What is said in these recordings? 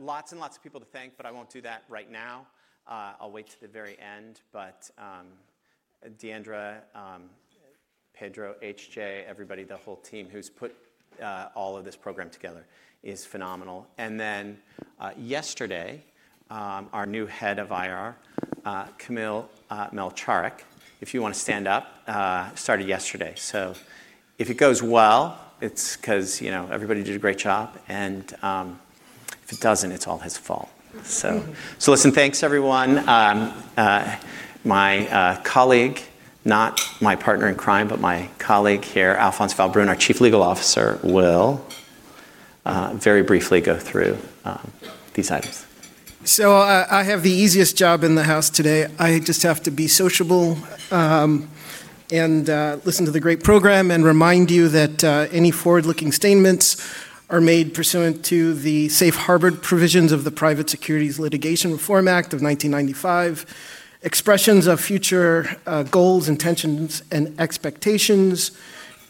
Lots and lots of people to thank, but I won't do that right now. I'll wait to the very end. Deandra, Pedro, HJ, everybody, the whole team who's put all of this program together is phenomenal. Yesterday, our new head of IR, Kamil Mielczarek, if you want to stand up, started yesterday. If it goes well, it's because, you know, everybody did a great job. If it doesn't, it's all his fault. Listen, thanks, everyone. My colleague, not my partner in crime, but my colleague here, Alphonse Valbrune, our Chief Legal Officer, will very briefly go through these items. I have the easiest job in the house today. I just have to be sociable and listen to the great program and remind you that any forward-looking statements are made pursuant to the safe harbor provisions of the Private Securities Litigation Reform Act of 1995. Expressions of future goals, intentions, and expectations,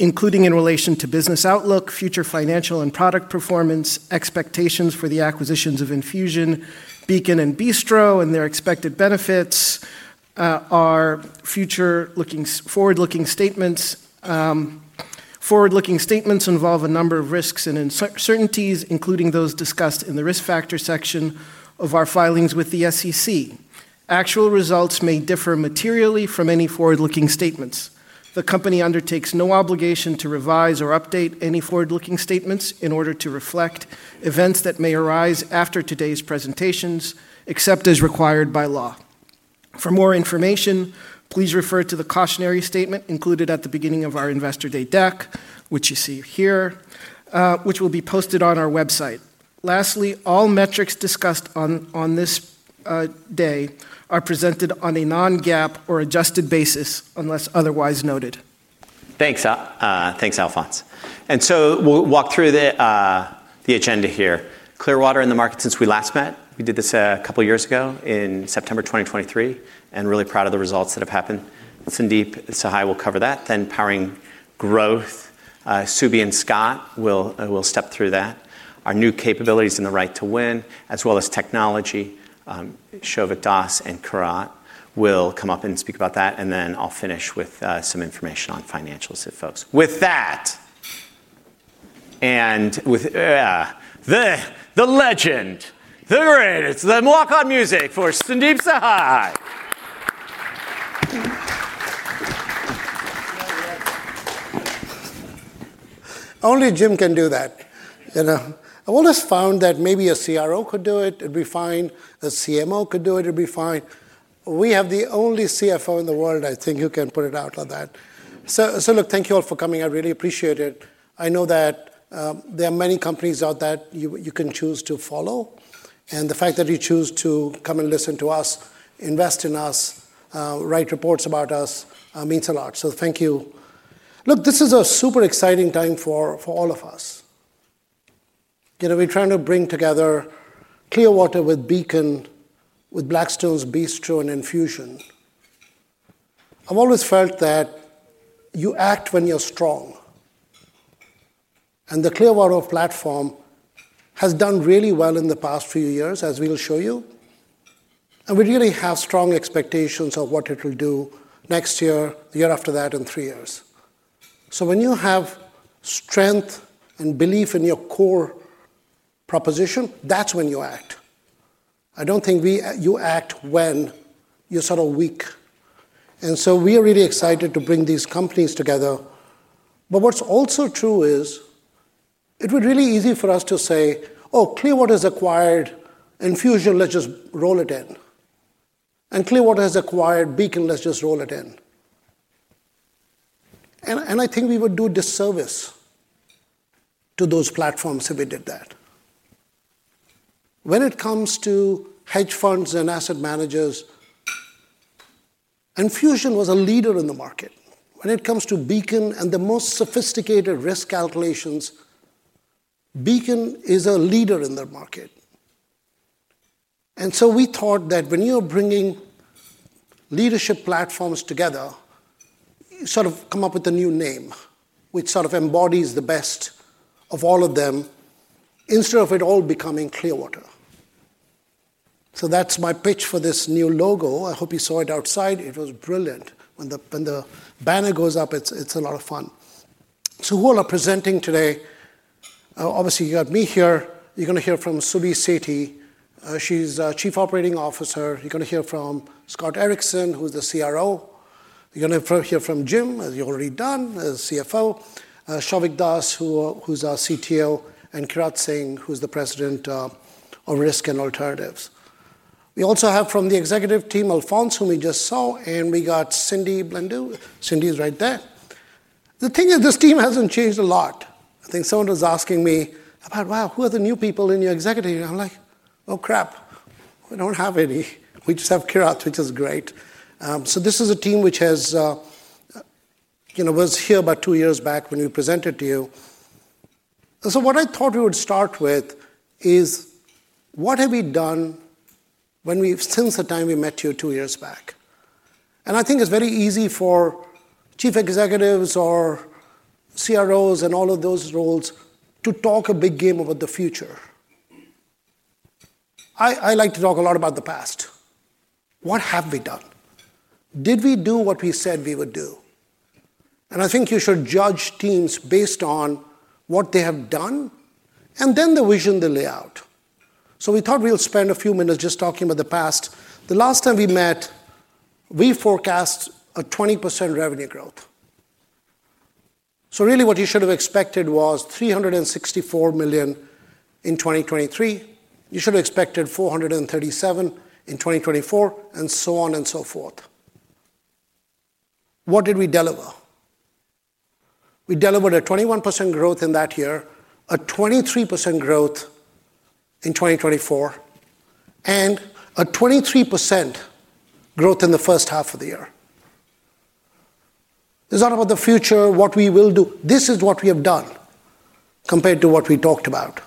including in relation to business outlook, future financial and product performance, expectations for the acquisitions of Enfusion, Beacon, and Bistro, and their expected benefits, are forward-looking statements. Forward-looking statements involve a number of risks and uncertainties, including those discussed in the risk factor section of our filings with the SEC. Actual results may differ materially from any forward-looking statements. The company undertakes no obligation to revise or update any forward-looking statements in order to reflect events that may arise after today's presentations, except as required by law. For more information, please refer to the cautionary statement included at the beginning of our Investor Day deck, which you see here, which will be posted on our website. Lastly, all metrics discussed on this day are presented on a non-GAAP or adjusted basis unless otherwise noted. Thanks, Alphonse. And so we'll walk through the agenda here. Clearwater and the market since we last met. We did this a couple of years ago in September 2023, and really proud of the results that have happened. Sandeep Sahai will cover that, then powering growth. Subi and Scott will step through that. Our new capabilities in the right to win, as well as technology. Souvik Das and Kirat will come up and speak about that. And then I'll finish with some information on financials and folks. With that, and with the legend, the greatest, the walk-on music for Sandeep Sahai. Only Jim can do that. You know, I've always found that maybe a CRO could do it. It'd be fine. A CMO could do it. It'd be fine. We have the only CFO in the world, I think, who can put it out like that. So look, thank you all for coming. I really appreciate it. I know that there are many companies out there you can choose to follow. And the fact that you choose to come and listen to us, invest in us, write reports about us, means a lot. So thank you. Look, this is a super exciting time for all of us. You know, we're trying to bring together Clearwater with Beacon, with Blackstone's Bistro and Enfusion. I've always felt that you act when you're strong. The Clearwater platform has done really well in the past few years, as we will show you. We really have strong expectations of what it will do next year, the year after that, and three years. When you have strength and belief in your core proposition, that's when you act. I don't think you act when you're sort of weak. We are really excited to bring these companies together. What's also true is it would be really easy for us to say, "Oh, Clearwater's acquired Enfusion. Let's just roll it in." Clearwater has acquired Beacon. Let's just roll it in. I think we would do disservice to those platforms if we did that. When it comes to hedge funds and asset managers, Enfusion was a leader in the market. When it comes to Beacon and the most sophisticated risk calculations, Beacon is a leader in the market. And so we thought that when you're bringing leadership platforms together, you sort of come up with a new name, which sort of embodies the best of all of them instead of it all becoming Clearwater. So that's my pitch for this new logo. I hope you saw it outside. It was brilliant. When the banner goes up, it's a lot of fun. So who are presenting today? Obviously you got me here. You're going to hear from Subi Sethi. She's a Chief Operating Officer. You're going to hear from Scott Erickson, who's the CRO. You're going to hear from Jim, as you've already done, as CFO. Souvik Das, who's our CTO, and Kirat Singh, who's the President of Risk and Alternatives. We also have from the executive team, Alphonse, whom we just saw, and we got Cindy Blendu. Cindy's right there. The thing is, this team hasn't changed a lot. I think someone was asking me about, "Wow, who are the new people in your executive team?" I'm like, "Oh, crap. We don't have any. We just have Kirat, which is great," so this is a team which has, you know, was here about two years back when we presented to you. So what I thought we would start with is, what have we done when we, since the time we met you two years back? And I think it's very easy for chief executives or CROs and all of those roles to talk a big game about the future. I, I like to talk a lot about the past. What have we done? Did we do what we said we would do, and I think you should judge teams based on what they have done and then the vision, the layout. So we thought we'll spend a few minutes just talking about the past. The last time we met, we forecast a 20% revenue growth. So really what you should have expected was $364 million in 2023. You should have expected $437 million in 2024, and so on and so forth. What did we deliver? We delivered a 21% growth in that year, a 23% growth in 2024, and a 23% growth in the first half of the year. It's not about the future, what we will do. This is what we have done compared to what we talked about.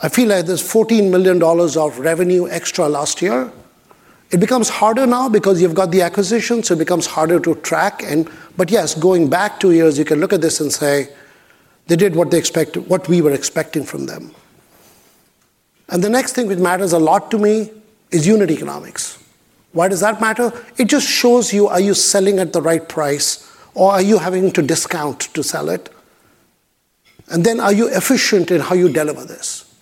I feel like there's $14 million of revenue extra last year. It becomes harder now because you've got the acquisitions, so it becomes harder to track, but yes, going back two years, you can look at this and say, they did what they expected, what we were expecting from them, and the next thing which matters a lot to me is unit economics. Why does that matter? It just shows you, are you selling at the right price, or are you having to discount to sell it? And then are you efficient in how you deliver this,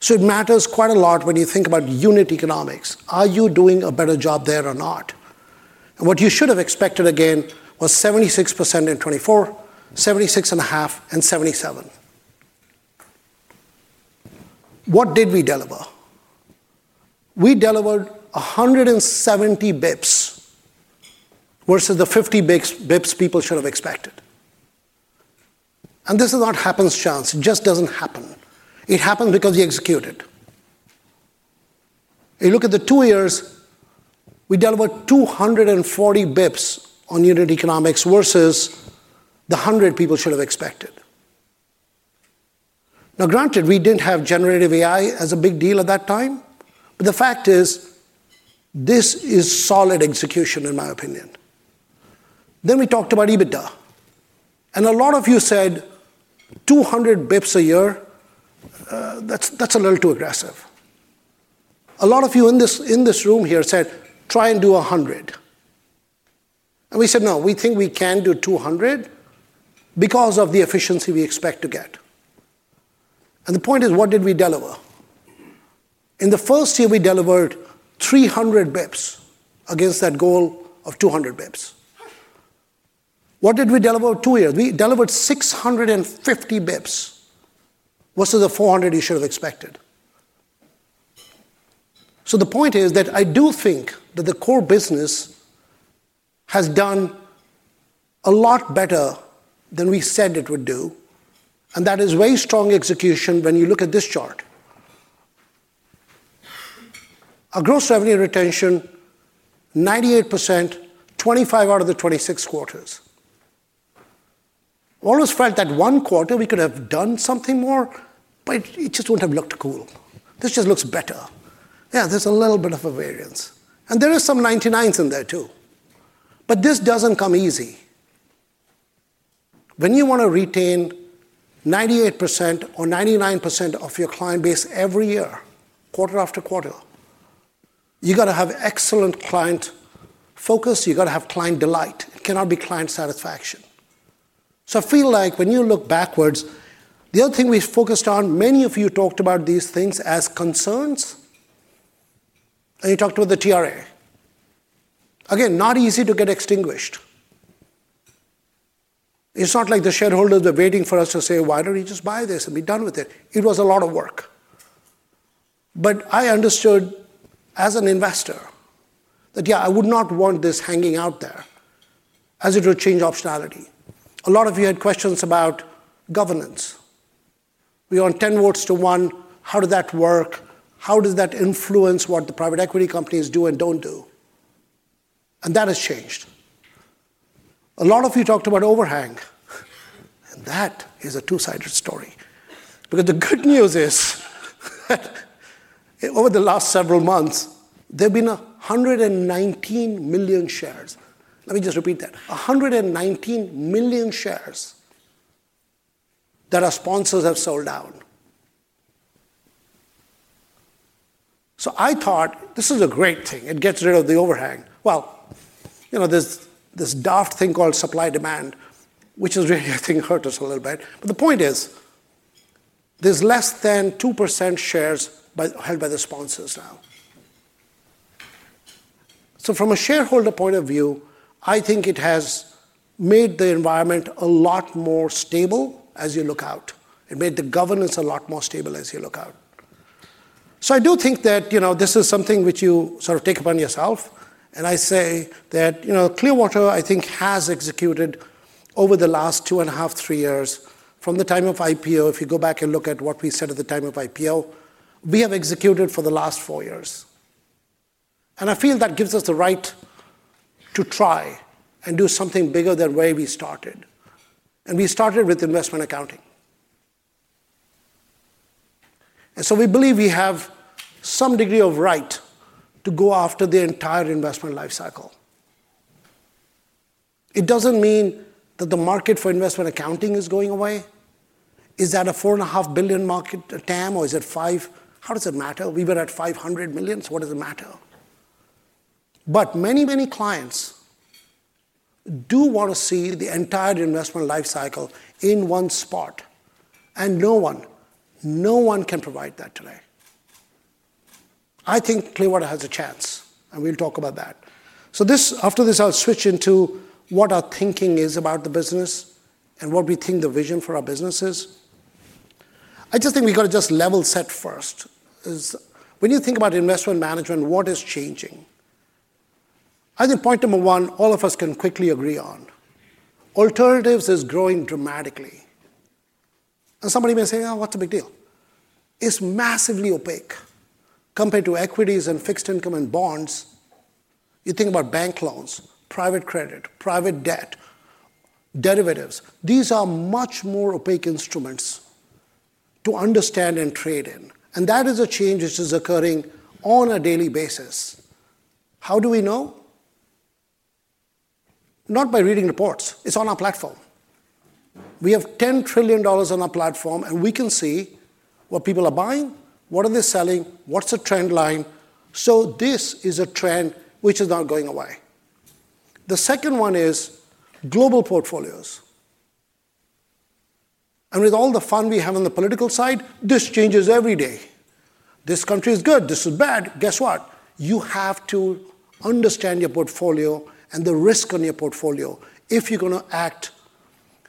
so it matters quite a lot when you think about unit economics. Are you doing a better job there or not, and what you should have expected again was 76% in 2024, 76.5%, and 77%. What did we deliver? We delivered 170 basis points versus the 50 basis points people should have expected, and this is not happenstance. It just doesn't happen. It happens because you execute it. You look at the two years, we delivered 240 basis points on unit economics versus the 100 people should have expected. Now, granted, we didn't have generative AI as a big deal at that time, but the fact is this is solid execution, in my opinion. Then we talked about EBITDA, and a lot of you said 200 basis points a year. That's, that's a little too aggressive. A lot of you in this, in this room here said, "Try and do 100." And we said, "No, we think we can do 200 because of the efficiency we expect to get," and the point is, what did we deliver? In the first year, we delivered 300 basis points against that goal of 200 basis points. What did we deliver in two years? We delivered 650 basis points versus the 400 you should have expected. So the point is that I do think that the core business has done a lot better than we said it would do. And that is very strong execution when you look at this chart. Our gross revenue retention, 98%, 25 out of the 26 quarters. We always felt that one quarter we could have done something more, but it just wouldn't have looked cool. This just looks better. Yeah, there's a little bit of a variance. And there are some 99%s in there too. But this doesn't come easy. When you want to retain 98% or 99% of your client base every year, quarter after quarter, you got to have excellent client focus. You got to have client delight. It cannot be client satisfaction. So I feel like when you look backwards, the other thing we focused on, many of you talked about these things as concerns. And you talked about the TRA. Again, not easy to get extinguished. It's not like the shareholders are waiting for us to say, "Why don't you just buy this and be done with it?" It was a lot of work. But I understood as an investor that, yeah, I would not want this hanging out there as it would change optionality. A lot of you had questions about governance. We're on 10 votes to one. How does that work? How does that influence what the private equity companies do and don't do? And that has changed. A lot of you talked about overhang. And that is a two-sided story. Because the good news is that over the last several months, there have been 119 million shares. Let me just repeat that. 119 million shares that our sponsors have sold out. So I thought, "This is a great thing. It gets rid of the overhang." Well, you know, there's this daft thing called supply demand, which has really, I think, hurt us a little bit. But the point is there's less than 2% shares held by the sponsors now. So from a shareholder point of view, I think it has made the environment a lot more stable as you look out. It made the governance a lot more stable as you look out. So I do think that, you know, this is something which you sort of take upon yourself. And I say that, you know, Clearwater, I think, has executed over the last two and a half, three years, from the time of IPO, if you go back and look at what we said at the time of IPO, we have executed for the last four years. I feel that gives us the right to try and do something bigger than where we started. We started with investment accounting. So we believe we have some degree of right to go after the entire investment life cycle. It doesn't mean that the market for investment accounting is going away. Is that a $4.5 billion market, TAM, or is it five? How does it matter? We were at 500 million. What does it matter? Many, many clients do want to see the entire investment life cycle in one spot. No one, no one can provide that today. I think Clearwater has a chance, and we'll talk about that. This, after this, I'll switch into what our thinking is about the business and what we think the vision for our business is. I just think we got to just level set first. When you think about investment management, what is changing? I think point number one, all of us can quickly agree on. Alternatives is growing dramatically. And somebody may say, "Oh, what's the big deal?" It's massively opaque compared to equities and fixed income and bonds. You think about bank loans, private credit, private debt, derivatives. These are much more opaque instruments to understand and trade in. And that is a change which is occurring on a daily basis. How do we know? Not by reading reports. It's on our platform. We have $10 trillion on our platform, and we can see what people are buying, what are they selling, what's the trend line. So this is a trend which is not going away. The second one is global portfolios. With all the fun we have on the political side, this changes every day. This country is good. This is bad. Guess what? You have to understand your portfolio and the risk on your portfolio if you're going to act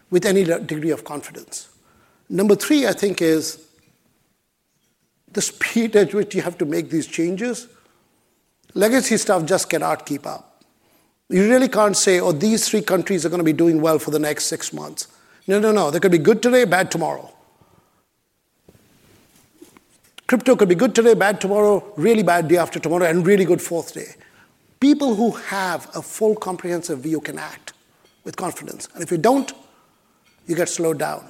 with any degree of confidence. Number three, I think, is the speed at which you have to make these changes. Legacy stuff just cannot keep up. You really can't say, "Oh, these three countries are going to be doing well for the next six months." No, no, no. They could be good today, bad tomorrow. Crypto could be good today, bad tomorrow, really bad day after tomorrow, and really good fourth day. People who have a full comprehensive view can act with confidence. And if you don't, you get slowed down.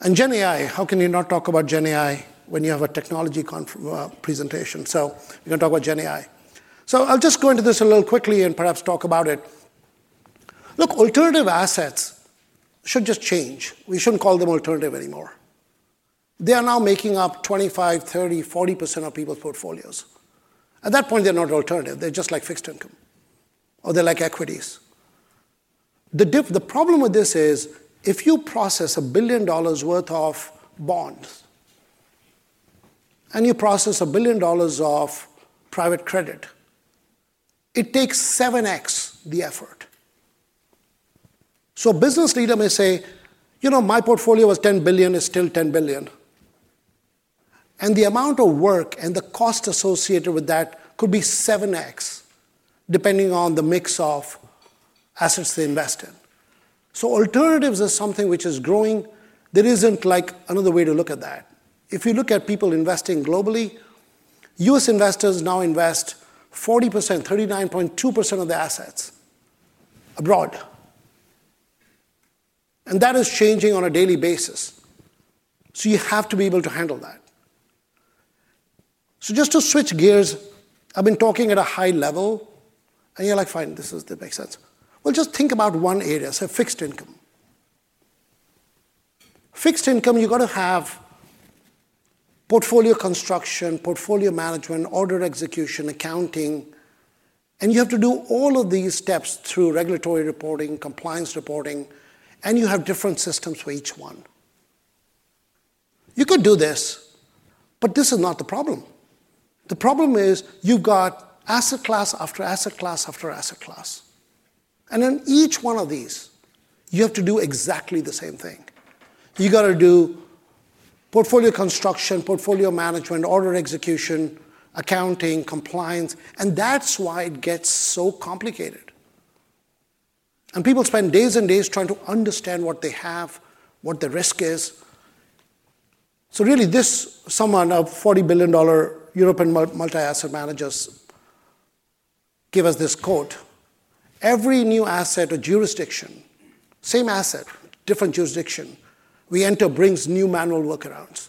And GenAI, how can you not talk about GenAI when you have a technology conference presentation? We're going to talk about GenAI. I'll just go into this a little quickly and perhaps talk about it. Look, alternative assets should just change. We shouldn't call them alternative anymore. They are now making up 25, 30, 40% of people's portfolios. At that point, they're not alternative. They're just like fixed income or they're like equities. The problem, the problem with this is if you process $1 billion worth of bonds and you process $1 billion of private credit, it takes 7x the effort. Business leader may say, "You know, my portfolio was $10 billion, it's still $10 billion." And the amount of work and the cost associated with that could be 7x depending on the mix of assets they invest in. Alternatives is something which is growing. There isn't like another way to look at that. If you look at people investing globally, U.S. investors now invest 40%, 39.2% of their assets abroad, and that is changing on a daily basis, so you have to be able to handle that, so just to switch gears, I've been talking at a high level, and you're like, "Fine, this is, that makes sense," well, just think about one area, say fixed income. Fixed income, you got to have portfolio construction, portfolio management, order execution, accounting, and you have to do all of these steps through regulatory reporting, compliance reporting, and you have different systems for each one. You could do this, but this is not the problem. The problem is you've got asset class after asset class after asset class, and in each one of these, you have to do exactly the same thing. You got to do portfolio construction, portfolio management, order execution, accounting, compliance, and that's why it gets so complicated. And people spend days and days trying to understand what they have, what the risk is. So really this summer, a $40 billion-dollar European multi-asset manager gave us this quote. Every new asset or jurisdiction, same asset, different jurisdiction we enter brings new manual workarounds.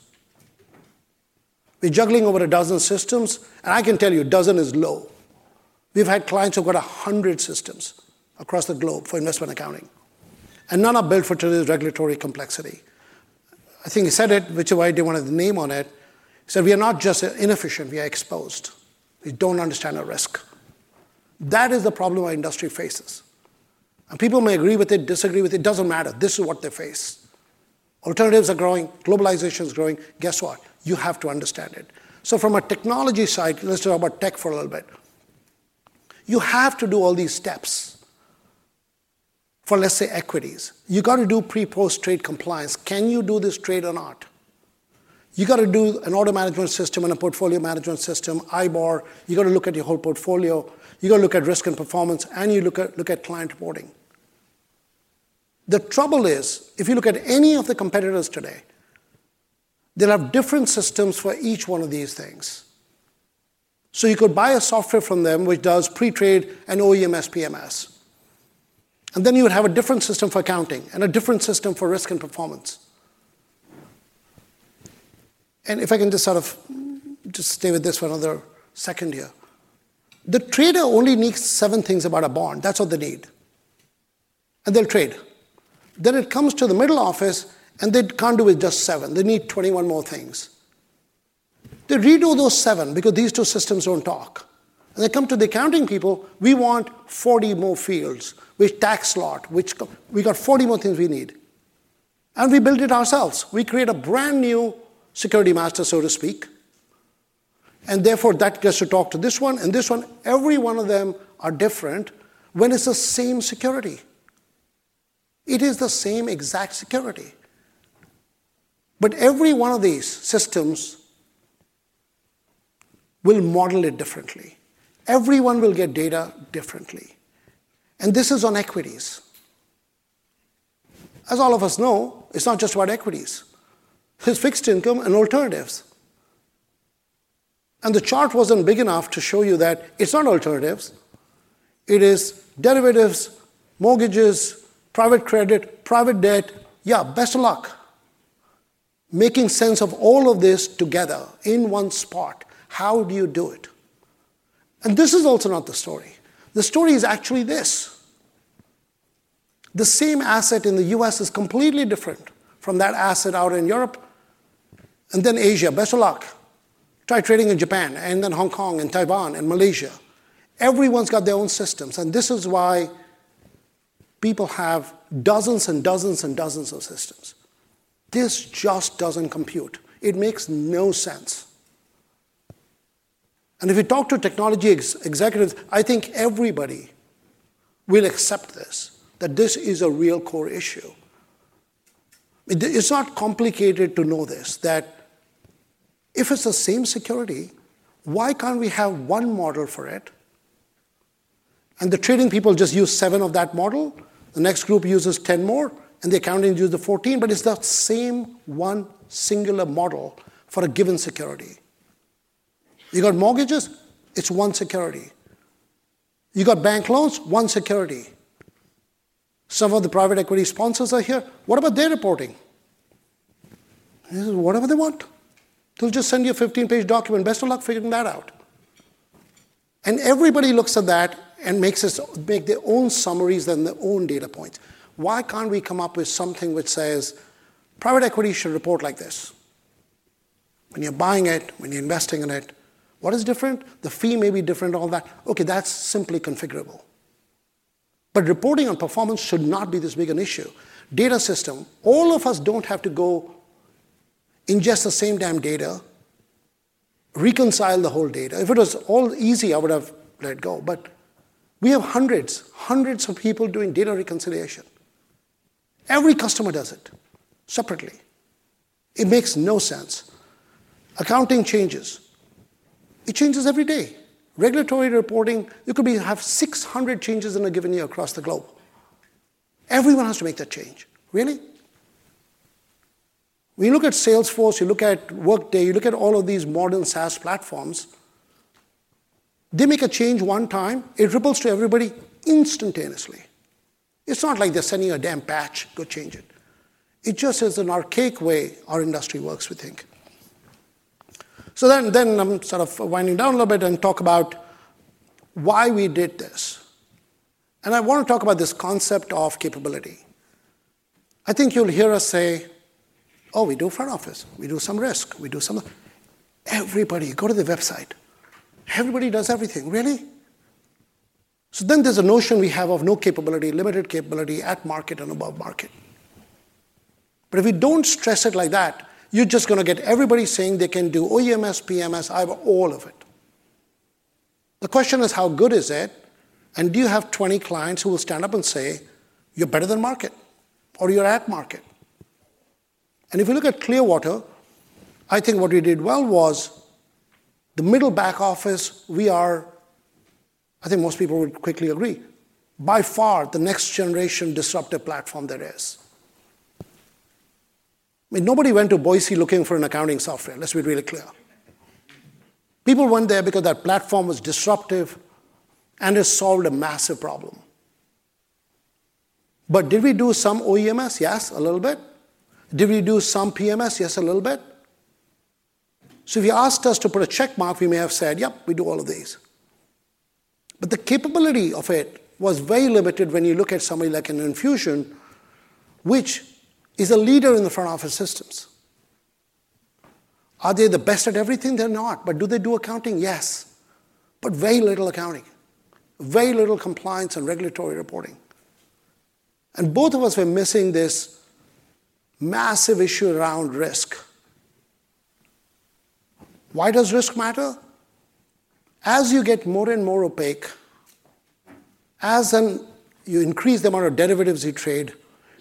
We're juggling over a dozen systems, and I can tell you a dozen is low. We've had clients who've got 100 systems across the globe for investment accounting, and none are built for today's regulatory complexity. I think he said it, which is why he didn't want to name on it. He said, "We are not just inefficient, we are exposed. We don't understand our risk." That is the problem our industry faces. And people may agree with it, disagree with it, it doesn't matter. This is what they face. Alternatives are growing, globalization is growing. Guess what? You have to understand it. So from a technology side, let's talk about tech for a little bit. You have to do all these steps for, let's say, equities. You got to do pre-post trade compliance. Can you do this trade or not? You got to do an order management system and a portfolio management system, IBOR. You got to look at your whole portfolio. You got to look at risk and performance, and you look at client reporting. The trouble is, if you look at any of the competitors today, they'll have different systems for each one of these things. So you could buy a software from them which does pre-trade and OMS PMS. And then you would have a different system for accounting and a different system for risk and performance. And if I can just sort of just stay with this for another second here. The trader only needs seven things about a bond. That's all they need. And they'll trade. Then it comes to the middle office, and they can't do with just seven. They need 21 more things. They redo those seven because these two systems don't talk. And they come to the accounting people, "We want 40 more fields, which tax slot, which we got 40 more things we need." And we built it ourselves. We create a brand new security master, so to speak. And therefore that gets to talk to this one and this one. Every one of them are different when it's the same security. It is the same exact security. But every one of these systems will model it differently. Everyone will get data differently. And this is on equities. As all of us know, it's not just about equities. There's fixed income and alternatives. And the chart wasn't big enough to show you that it's not alternatives. It is derivatives, mortgages, private credit, private debt. Yeah, best of luck. Making sense of all of this together in one spot. How do you do it? And this is also not the story. The story is actually this. The same asset in the U.S. is completely different from that asset out in Europe and then Asia. Best of luck. Try trading in Japan and then Hong Kong and Taiwan and Malaysia. Everyone's got their own systems. And this is why people have dozens and dozens and dozens of systems. This just doesn't compute. It makes no sense. And if you talk to technology executives, I think everybody will accept this, that this is a real core issue. It's not complicated to know this, that if it's the same security, why can't we have one model for it? And the trading people just use seven of that model. The next group uses 10 more, and the accounting use the 14, but it's the same one singular model for a given security. You got mortgages, it's one security. You got bank loans, one security. Some of the private equity sponsors are here. What about their reporting? This is whatever they want. They'll just send you a 15-page document. Best of luck figuring that out. And everybody looks at that and makes their own summaries and their own data points. Why can't we come up with something which says, "Private equity should report like this when you're buying it, when you're investing in it?" What is different? The fee may be different and all that. Okay, that's simply configurable. But reporting on performance should not be this big an issue. Data system, all of us don't have to go ingest the same damn data, reconcile the whole data. If it was all easy, I would have let it go. But we have hundreds, hundreds of people doing data reconciliation. Every customer does it separately. It makes no sense. Accounting changes. It changes every day. Regulatory reporting, you could have 600 changes in a given year across the globe. Everyone has to make that change. Really? When you look at Salesforce, you look at Workday, you look at all of these modern SaaS platforms, they make a change one time, it ripples to everybody instantaneously. It's not like they're sending you a damn patch, go change it. It just is an archaic way our industry works, we think. So then I'm sort of winding down a little bit and talk about why we did this. And I want to talk about this concept of capability. I think you'll hear us say, "Oh, we do front office. We do some risk. We do some." Everybody, go to the website. Everybody does everything. Really? So then there's a notion we have of no capability, limited capability at market and above market. But if we don't stress it like that, you're just going to get everybody saying they can do OMS, PMS, all of it. The question is, how good is it? And do you have 20 clients who will stand up and say, "You're better than market," or "You're at market"? And if you look at Clearwater, I think what we did well was the middle back office. We are, I think most people would quickly agree, by far the next generation disruptive platform there is. I mean, nobody went to Boise looking for an accounting software, let's be really clear. People went there because that platform was disruptive and it solved a massive problem. But did we do some OMS? Yes, a little bit. Did we do some PMS? Yes, a little bit. So if you asked us to put a check mark, we may have said, "Yep, we do all of these." But the capability of it was very limited when you look at somebody like an Enfusion, which is a leader in the front office systems. Are they the best at everything? They're not. But do they do accounting? Yes, but very little accounting, very little compliance and regulatory reporting. And both of us were missing this massive issue around risk. Why does risk matter? As you get more and more opaque, as you increase the amount of derivatives you trade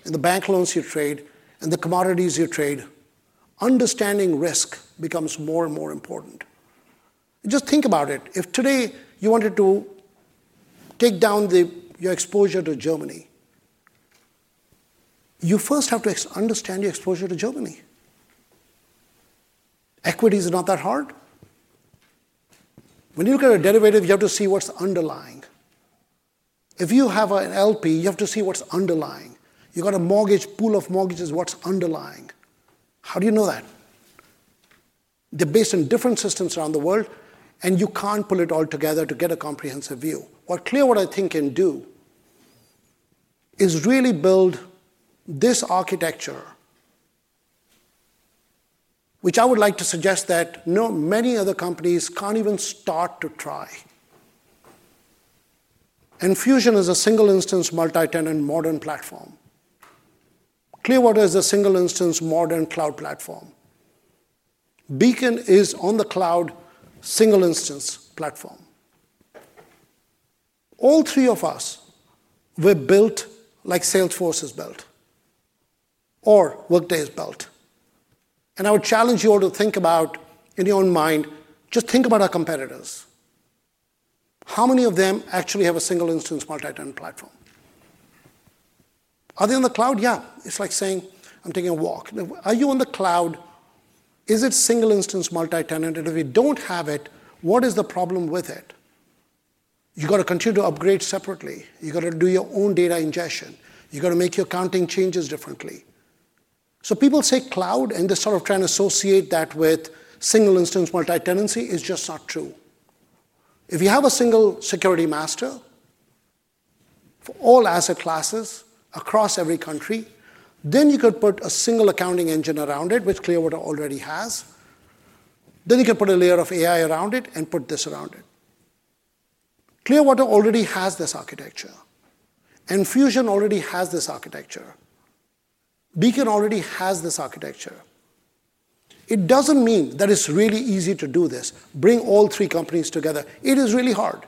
and the bank loans you trade and the commodities you trade, understanding risk becomes more and more important. Just think about it. If today you wanted to take down your exposure to Germany, you first have to understand your exposure to Germany. Equities are not that hard. When you look at a derivative, you have to see what's underlying. If you have an LP, you have to see what's underlying. You got a mortgage pool of mortgages, what's underlying? How do you know that? They're based in different systems around the world, and you can't pull it all together to get a comprehensive view. Clearwater, I think, can do is really build this architecture, which I would like to suggest that many other companies can't even start to try. Enfusion is a single instance multi-tenant modern platform. Clearwater is a single instance modern cloud platform. Beacon is on the cloud single instance platform. All three of us were built like Salesforce is built or Workday is built. And I would challenge you all to think about in your own mind, just think about our competitors. How many of them actually have a single instance multi-tenant platform? Are they on the cloud? Yeah. It's like saying, "I'm taking a walk." Are you on the cloud? Is it single instance multi-tenant? And if you don't have it, what is the problem with it? You got to continue to upgrade separately. You got to do your own data ingestion. You got to make your accounting changes differently. So people say cloud, and they're sort of trying to associate that with single instance multi-tenancy. It's just not true. If you have a single security master for all asset classes across every country, then you could put a single accounting engine around it, which Clearwater already has. Then you can put a layer of AI around it and put this around it. Clearwater already has this architecture. Enfusion already has this architecture. Beacon already has this architecture. It doesn't mean that it's really easy to do this. Bring all three companies together. It is really hard.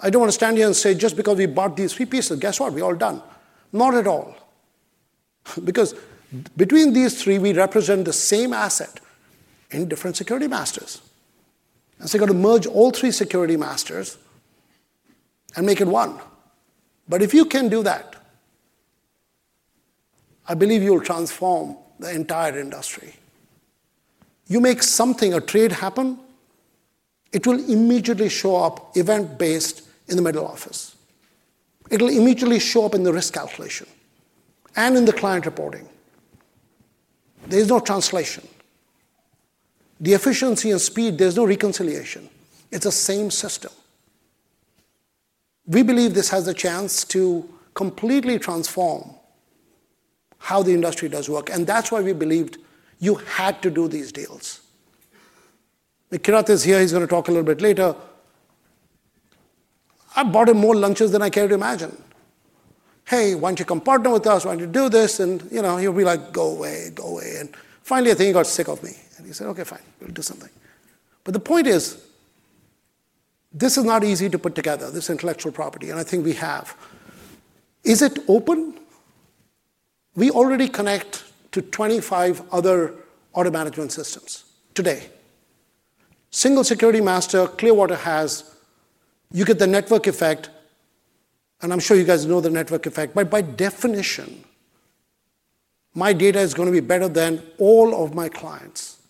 I don't want to stand here and say, "Just because we bought these three pieces, guess what? We're all done." Not at all. Because between these three, we represent the same asset in different security masters. And so you got to merge all three security masters and make it one. But if you can do that, I believe you'll transform the entire industry. You make something, a trade happen. It will immediately show up event-based in the middle office. It'll immediately show up in the risk calculation and in the client reporting. There's no translation. The efficiency and speed, there's no reconciliation. It's the same system. We believe this has a chance to completely transform how the industry does work. And that's why we believed you had to do these deals. Kirat is here. He's going to talk a little bit later. I bought him more lunches than I care to imagine. "Hey, why don't you come partner with us? Why don't you do this?" And he'll be like, "Go away, go away." And finally, I think he got sick of me. And he said, "Okay, fine. We'll do something." But the point is, this is not easy to put together, this intellectual property, and I think we have. Is it open? We already connect to 25 other portfolio management systems today. Single security master, Clearwater has. You get the network effect. And I'm sure you guys know the network effect. But by definition, my data is going to be better than all of my clients.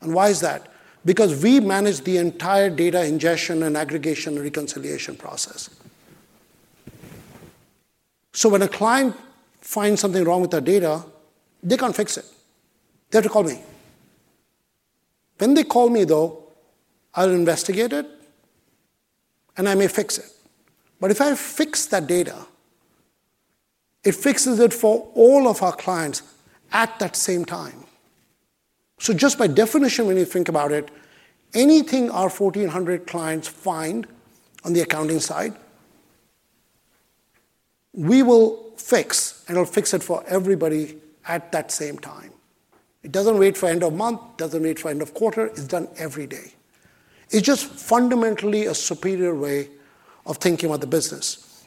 And why is that? Because we manage the entire data ingestion and aggregation and reconciliation process. So when a client finds something wrong with their data, they can't fix it. They have to call me. When they call me, though, I'll investigate it, and I may fix it. But if I fix that data, it fixes it for all of our clients at that same time. So just by definition, when you think about it, anything our 1,400 clients find on the accounting side, we will fix, and we'll fix it for everybody at that same time. It doesn't wait for end of month. It doesn't wait for end of quarter. It's done every day. It's just fundamentally a superior way of thinking about the business.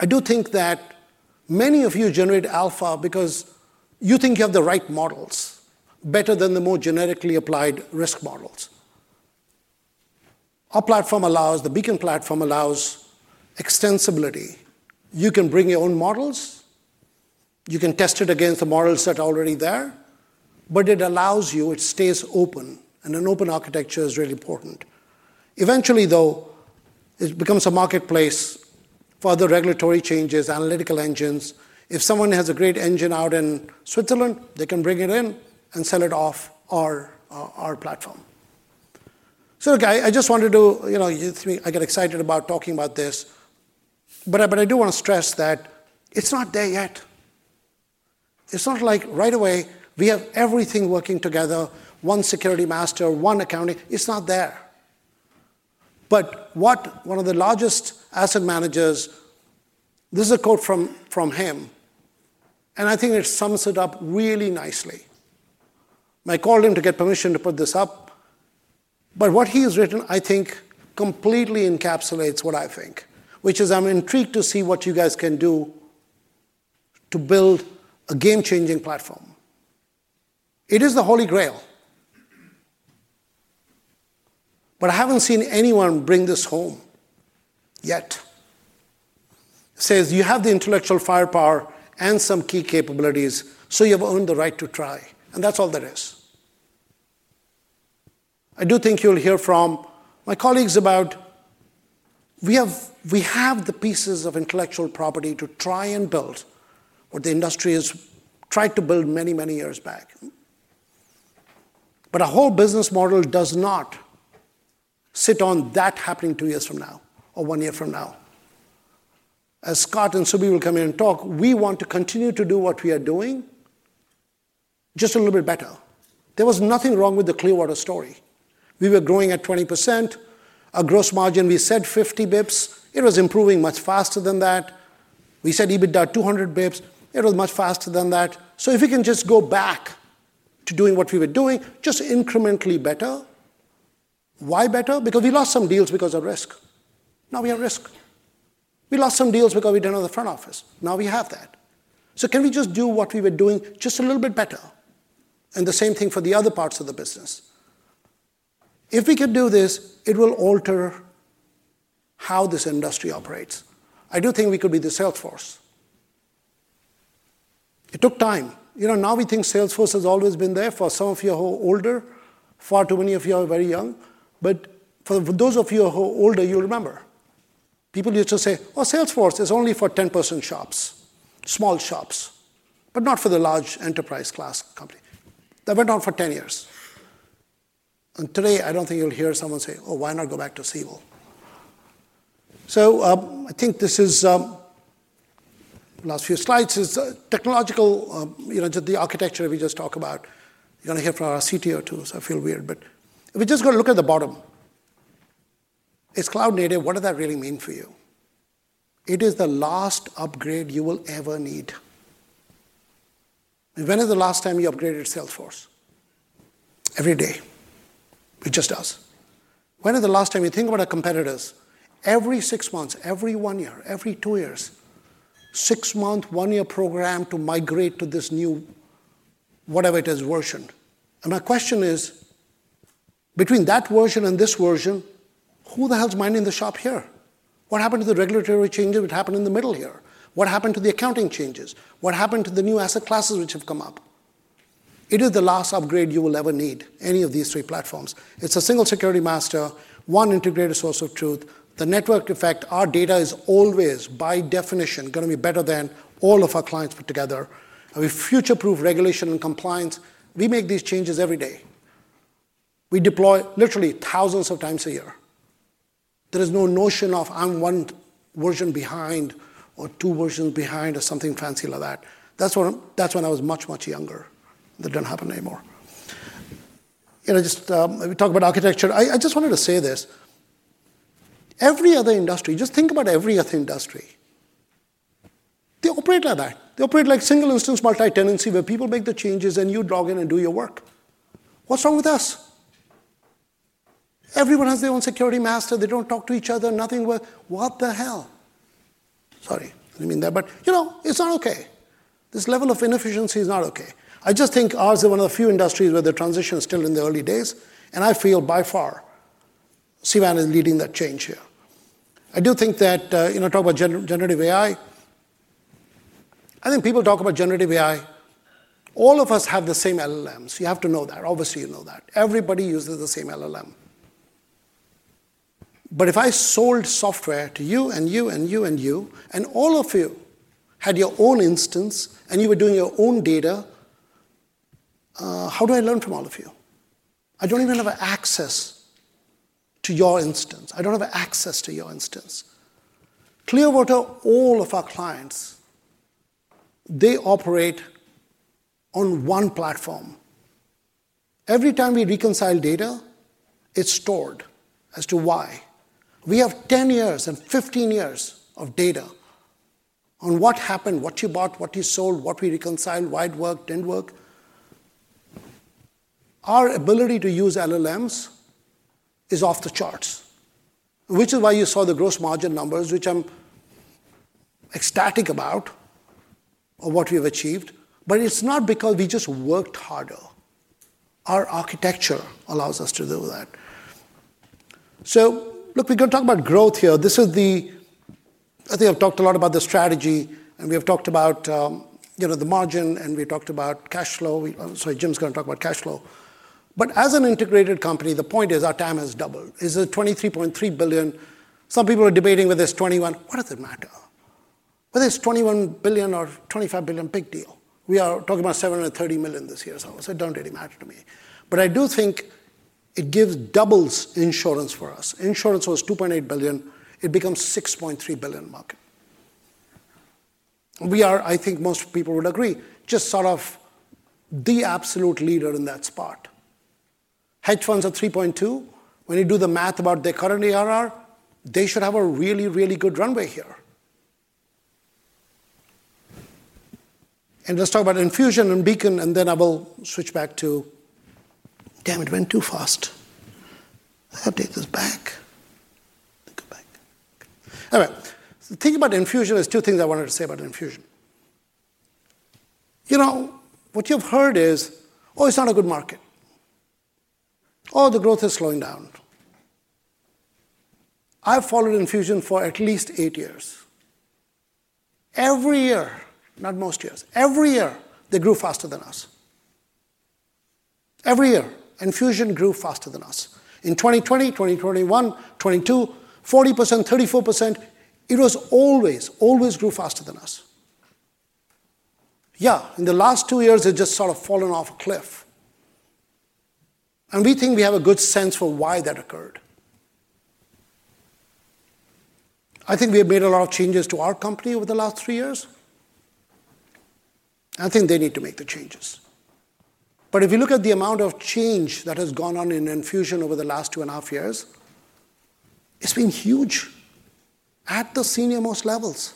I do think that many of you generate alpha because you think you have the right models better than the more generically applied risk models. Our platform allows. The Beacon platform allows extensibility. You can bring your own models. You can test it against the models that are already there. But it allows you. It stays open. And an open architecture is really important. Eventually, though, it becomes a marketplace for other regulatory changes, analytical engines. If someone has a great engine out in Switzerland, they can bring it in and sell it off our platform. So I just wanted to. I get excited about talking about this. But I do want to stress that it's not there yet. It's not like right away we have everything working together, one security master, one accounting. It's not there. But one of the largest asset managers. This is a quote from him. And I think it sums it up really nicely. I called him to get permission to put this up. But what he has written, I think, completely encapsulates what I think, which is, "I'm intrigued to see what you guys can do to build a game-changing platform. It is the Holy Grail. But I haven't seen anyone bring this home yet. It says, "You have the intellectual firepower and some key capabilities, so you have earned the right to try," and that's all there is. I do think you'll hear from my colleagues about we have the pieces of intellectual property to try and build what the industry has tried to build many, many years back, but a whole business model does not sit on that happening two years from now or one year from now. As Scott and Subi will come here and talk, we want to continue to do what we are doing, just a little bit better. There was nothing wrong with the Clearwater story. We were growing at 20%. Our gross margin, we said 50 basis points. It was improving much faster than that. We said EBITDA 200 basis points. It was much faster than that. So if we can just go back to doing what we were doing, just incrementally better. Why better? Because we lost some deals because of risk. Now we have risk. We lost some deals because we didn't have the front office. Now we have that. So can we just do what we were doing just a little bit better? And the same thing for the other parts of the business. If we can do this, it will alter how this industry operates. I do think we could be the Salesforce. It took time. Now we think Salesforce has always been there for some of you who are older. Far too many of you are very young. But for those of you who are older, you'll remember. People used to say, "Oh, Salesforce is only for 10-man shops, small shops," but not for the large enterprise-class company. That went on for 10 years, and today, I don't think you'll hear someone say, "Oh, why not go back to Siebel?" So I think this is the last few slides is technological, just the architecture we just talked about. You're going to hear from our CTO too, so I feel weird. But if we're just going to look at the bottom, it's cloud native. What does that really mean for you? It is the last upgrade you will ever need. When is the last time you upgraded Salesforce? Every day. It just does. When is the last time you think about our competitors? Every six months, every one year, every two years, six-month, one-year program to migrate to this new, whatever it is, version, and my question is, between that version and this version, who the hell's minding the shop here? What happened to the regulatory changes that happened in the middle here? What happened to the accounting changes? What happened to the new asset classes which have come up? It is the last upgrade you will ever need, any of these three platforms. It's a single security master, one integrated source of truth, the network effect. Our data is always, by definition, going to be better than all of our clients put together. We future-proof regulation and compliance. We make these changes every day. We deploy literally thousands of times a year. There is no notion of I'm one version behind or two versions behind or something fancy like that. That's when I was much, much younger. That didn't happen anymore. Just we talk about architecture. I just wanted to say this. Every other industry, just think about every other industry. They operate like that. They operate like single instance multi-tenancy where people make the changes, and you log in and do your work. What's wrong with us? Everyone has their own security master. They don't talk to each other. Nothing works. What the hell? Sorry. I didn't mean that, but it's not okay. This level of inefficiency is not okay. I just think ours is one of the few industries where the transition is still in the early days, and I feel by far Clearwater is leading that change here. I do think that. Talk about generative AI. I think people talk about generative AI. All of us have the same LLMs. You have to know that. Obviously, you know that. Everybody uses the same LLM. But if I sold software to you and you and you and you, and all of you had your own instance, and you were doing your own data, how do I learn from all of you? I don't even have access to your instance. I don't have access to your instance. Clearwater, all of our clients, they operate on one platform. Every time we reconcile data, it's stored as to why. We have 10 years and 15 years of data on what happened, what you bought, what you sold, what we reconciled, why it worked, didn't work. Our ability to use LLMs is off the charts, which is why you saw the gross margin numbers, which I'm ecstatic about, or what we've achieved. But it's not because we just worked harder. Our architecture allows us to do that. So look, we're going to talk about growth here. This is, I think I've talked a lot about the strategy, and we have talked about the margin, and we talked about cash flow. Sorry, Jim's going to talk about cash flow. But as an integrated company, the point is our TAM has doubled. Is it $23.3 billion? Some people are debating whether it's $21 billion. What does it matter? Whether it's $21 billion or $25 billion, big deal. We are talking about 730 million this year's hours. It don't really matter to me. But I do think it gives doubles insurance for us. Insurance was $2.8 billion. It becomes $6.3 billion market. We are, I think most people would agree, just sort of the absolute leader in that spot. Hedge funds are $3.2 billion. When you do the math about their current ARR, they should have a really, really good runway here. Let's talk about Enfusion and Beacon, and then I will switch back to damn, it went too fast. I have to take this back. Think about Enfusion. There's two things I wanted to say about Enfusion. What you've heard is, "Oh, it's not a good market." "Oh, the growth is slowing down." I've followed Enfusion for at least eight years. Every year, not most years, every year, they grew faster than us. Every year, Enfusion grew faster than us. In 2020, 2021, 2022, 40%, 34%, it was always, always grew faster than us. Yeah, in the last two years, it just sort of fallen off a cliff. We think we have a good sense for why that occurred. I think we have made a lot of changes to our company over the last three years. I think they need to make the changes. But if you look at the amount of change that has gone on in Enfusion over the last two and a half years, it's been huge at the senior-most levels,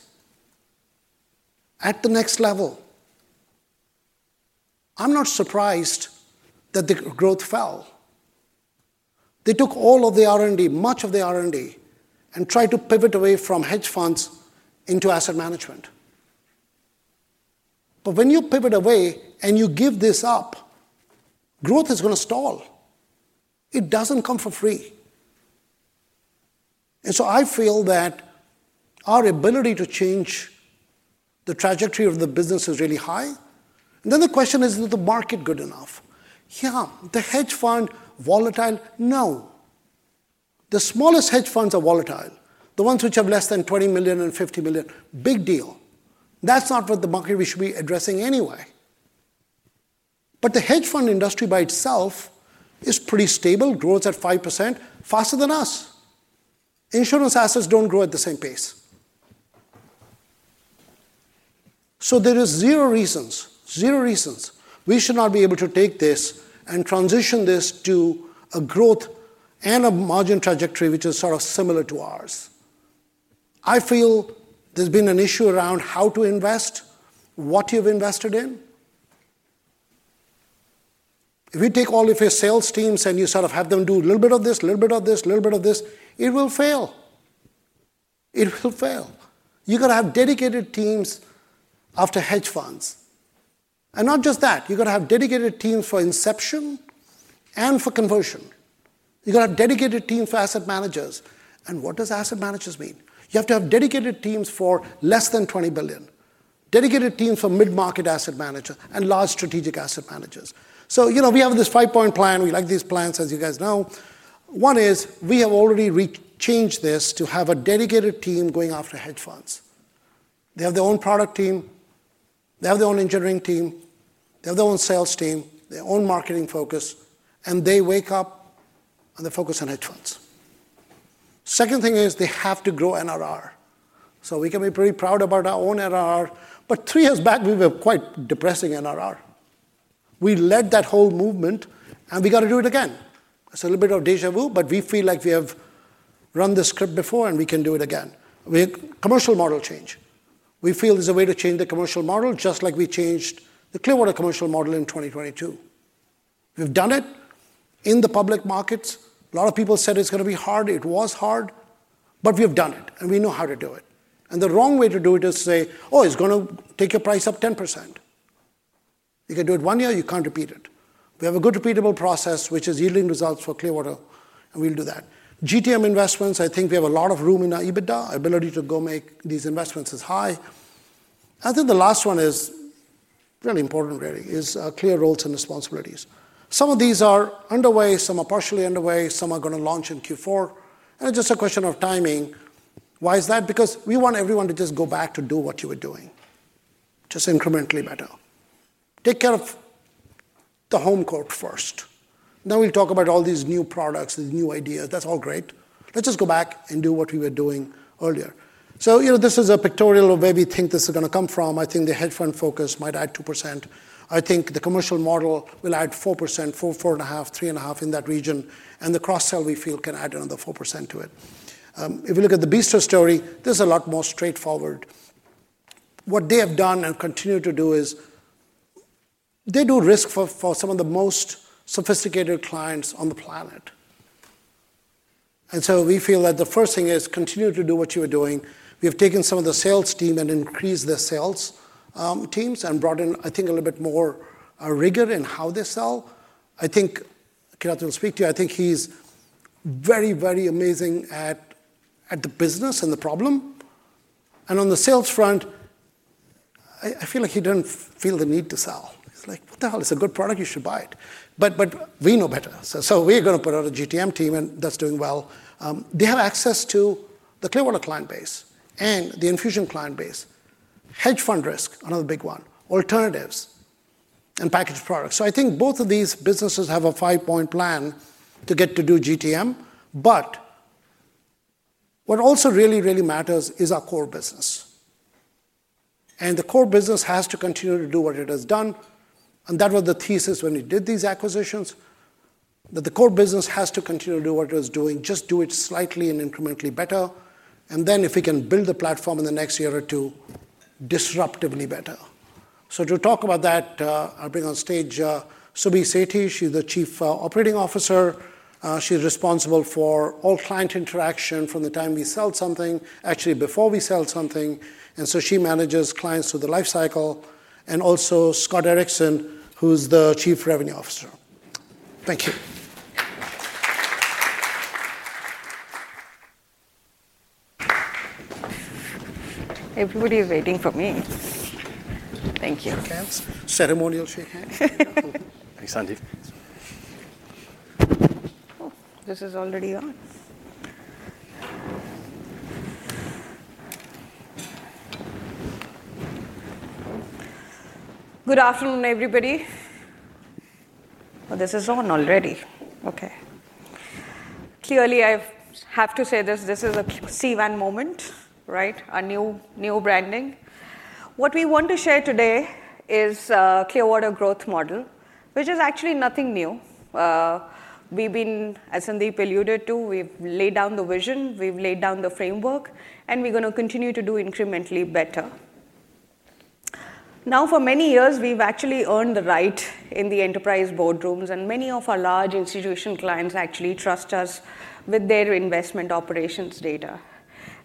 at the next level. I'm not surprised that the growth fell. They took all of the R&D, much of the R&D, and tried to pivot away from hedge funds into asset management. But when you pivot away and you give this up, growth is going to stall. It doesn't come for free. And so I feel that our ability to change the trajectory of the business is really high. And then the question is, is the market good enough? Yeah. The hedge fund volatile? No. The smallest hedge funds are volatile. The ones which have less than $20 million and $50 million, big deal. That's not what the market we should be addressing anyway. But the hedge fund industry by itself is pretty stable. Growth at 5%, faster than us. Insurance assets don't grow at the same pace. So there is zero reasons, zero reasons we should not be able to take this and transition this to a growth and a margin trajectory which is sort of similar to ours. I feel there's been an issue around how to invest, what you've invested in. If you take all of your sales teams and you sort of have them do a little bit of this, a little bit of this, a little bit of this, it will fail. It will fail. You've got to have dedicated teams after hedge funds. And not just that. You've got to have dedicated teams for inception and for conversion. You've got to have dedicated teams for asset managers. And what does asset managers mean? You have to have dedicated teams for less than $20 billion, dedicated teams for mid-market asset managers and large strategic asset managers. So we have this five-point plan. We like these plans, as you guys know. One is we have already changed this to have a dedicated team going after hedge funds. They have their own product team. They have their own engineering team. They have their own sales team, their own marketing focus. And they wake up, and they focus on hedge funds. Second thing is they have to grow NRR. So we can be pretty proud about our own NRR. But three years back, we were quite depressing NRR. We led that whole movement, and we got to do it again. It's a little bit of déjà vu, but we feel like we have run this script before, and we can do it again. Commercial model change. We feel there's a way to change the commercial model just like we changed the Clearwater commercial model in 2022. We've done it in the public markets. A lot of people said it's going to be hard. It was hard. But we have done it, and we know how to do it. And the wrong way to do it is to say, "Oh, it's going to take your price up 10%." You can do it one year. You can't repeat it. We have a good repeatable process which is yielding results for Clearwater, and we'll do that. GTM investments, I think we have a lot of room in our EBITDA. Our ability to go make these investments is high. I think the last one is really important, really, is clear roles and responsibilities. Some of these are underway. Some are partially underway. Some are going to launch in Q4 and it's just a question of timing. Why is that? Because we want everyone to just go back to do what you were doing, just incrementally better. Take care of the home court first. Then we'll talk about all these new products, these new ideas. That's all great. Let's just go back and do what we were doing earlier. So this is a pictorial of where we think this is going to come from. I think the hedge fund focus might add two%. I think the commercial model will add four%, 4.5%, 3.5% in that region. And the cross-sell, we feel, can add another four% to it. If we look at the Bistro story, this is a lot more straightforward. What they have done and continue to do is they do risk for some of the most sophisticated clients on the planet. And so we feel that the first thing is continue to do what you were doing. We have taken some of the sales team and increased their sales teams and brought in, I think, a little bit more rigor in how they sell. I think Kirat will speak to you. I think he's very, very amazing at the business and the problem. And on the sales front, I feel like he doesn't feel the need to sell. He's like, "What the hell? It's a good product. You should buy it." But we know better. So we're going to put out a GTM team, and that's doing well. They have access to the Clearwater client base and the Enfusion client base. Hedge fund risk, another big one. Alternatives and packaged products. So I think both of these businesses have a five-point plan to get to do GTM. But what also really, really matters is our core business. And the core business has to continue to do what it has done. And that was the thesis when we did these acquisitions, that the core business has to continue to do what it was doing, just do it slightly and incrementally better. And then if we can build the platform in the next year or two, disruptively better. So to talk about that, I'll bring on stage Subi Sethi. She's the Chief Operating Officer. She's responsible for all client interaction from the time we sell something, actually before we sell something. And so she manages clients through the lifecycle. And also Scott Erickson, who's the Chief Revenue Officer. Thank you. Everybody is waiting for me. Thank you. Ceremonial shakehand. Thanks, Sandeep. Oh, this is already on. Good afternoon, everybody. This is on already. Okay. Clearly, I have to say this. This is a CWAN moment, right? A new branding. What we want to share today is Clearwater's growth model, which is actually nothing new. We've been, as Sandeep alluded to, we've laid down the vision. We've laid down the framework, and we're going to continue to do incrementally better. Now, for many years, we've actually earned the right in the enterprise boardrooms, and many of our large institution clients actually trust us with their investment operations data,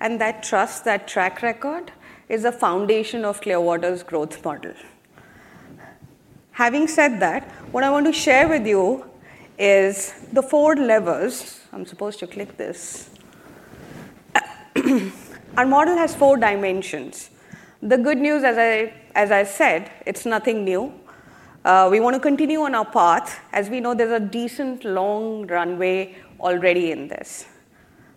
and that trust, that track record, is a foundation of Clearwater's growth model. Having said that, what I want to share with you is the four levels. I'm supposed to click this. Our model has four dimensions. The good news, as I said, it's nothing new. We want to continue on our path. As we know, there's a decent long runway already in this.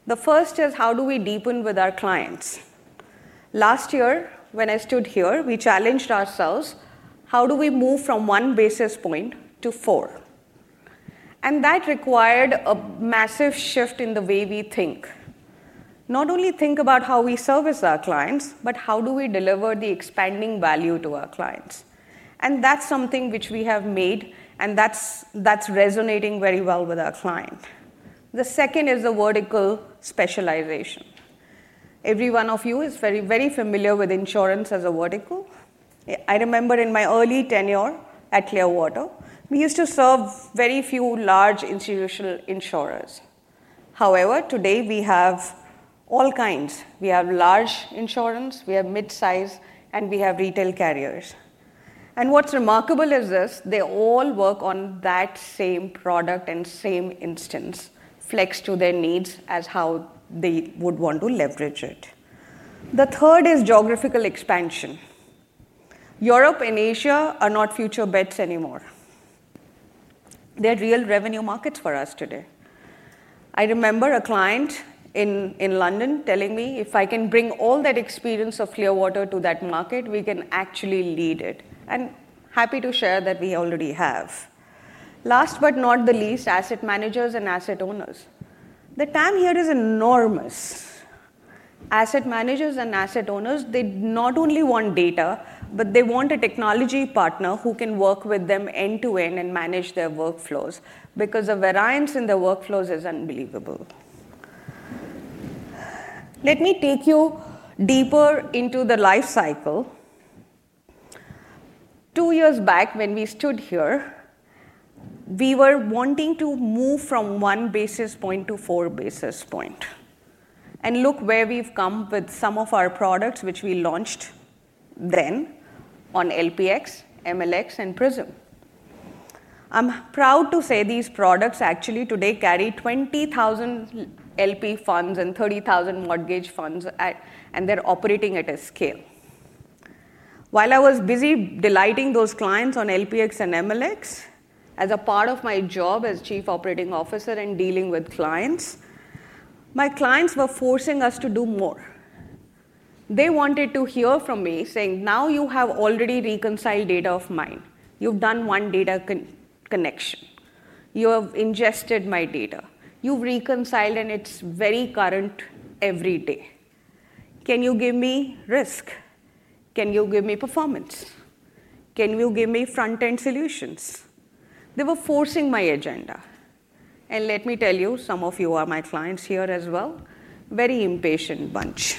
The first is how do we deepen with our clients? Last year, when I stood here, we challenged ourselves, how do we move from one basis point to four? And that required a massive shift in the way we think. Not only think about how we service our clients, but how do we deliver the expanding value to our clients? And that's something which we have made, and that's resonating very well with our client. The second is the vertical specialization. Every one of you is very, very familiar with insurance as a vertical. I remember in my early tenure at Clearwater, we used to serve very few large institutional insurers. However, today we have all kinds. We have large insurance, we have mid-size, and we have retail carriers. And what's remarkable is this. They all work on that same product and same instance, flex to their needs as to how they would want to leverage it. The third is geographical expansion. Europe and Asia are not future bets anymore. They're real revenue markets for us today. I remember a client in London telling me, "If I can bring all that experience of Clearwater to that market, we can actually lead it," and happy to share that we already have. Last but not the least, asset managers and asset owners. The TAM here is enormous. Asset managers and asset owners, they not only want data, but they want a technology partner who can work with them end-to-end and manage their workflows because the variance in their workflows is unbelievable. Let me take you deeper into the lifecycle. Two years back, when we stood here, we were wanting to move from one basis point to four basis point and look where we've come with some of our products which we launched then on LPx, MLx, and Prism. I'm proud to say these products actually today carry 20,000 LP funds and 30,000 mortgage funds, and they're operating at a scale. While I was busy delighting those clients on LPx and MLx as a part of my job as Chief Operating Officer and dealing with clients, my clients were forcing us to do more. They wanted to hear from me saying, "Now you have already reconciled data of mine. You've done one data connection. You have ingested my data. You've reconciled, and it's very current every day. Can you give me risk? Can you give me performance? Can you give me front-end solutions?" They were forcing my agenda. And let me tell you, some of you are my clients here as well. Very impatient bunch.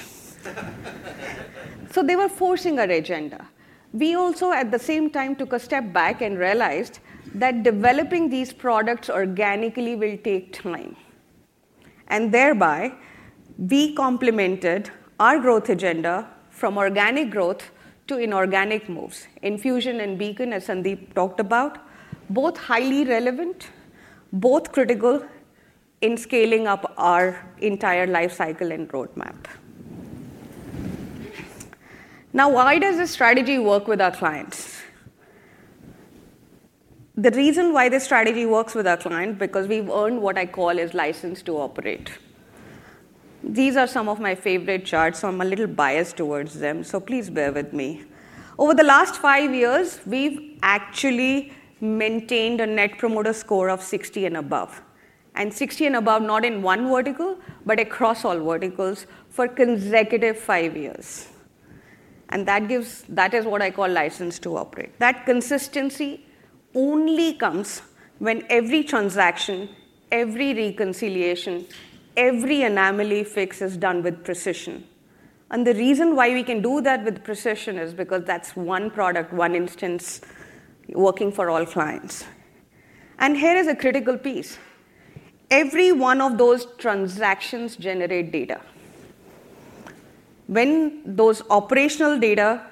So they were forcing our agenda. We also, at the same time, took a step back and realized that developing these products organically will take time. And thereby, we complemented our growth agenda from organic growth to inorganic moves. Enfusion and Beacon, as Sandeep talked about, both highly relevant, both critical in scaling up our entire lifecycle and roadmap. Now, why does this strategy work with our clients? The reason why this strategy works with our client is because we've earned what I call is license to operate. These are some of my favorite charts, so I'm a little biased towards them. So please bear with me. Over the last five years, we've actually maintained a Net Promoter Score of 60 and above. 60 and above, not in one vertical, but across all verticals for consecutive five years. That is what I call license to operate. That consistency only comes when every transaction, every reconciliation, every anomaly fix is done with precision. The reason why we can do that with precision is because that's one product, one instance working for all clients. Here is a critical piece. Every one of those transactions generates data. When those operational data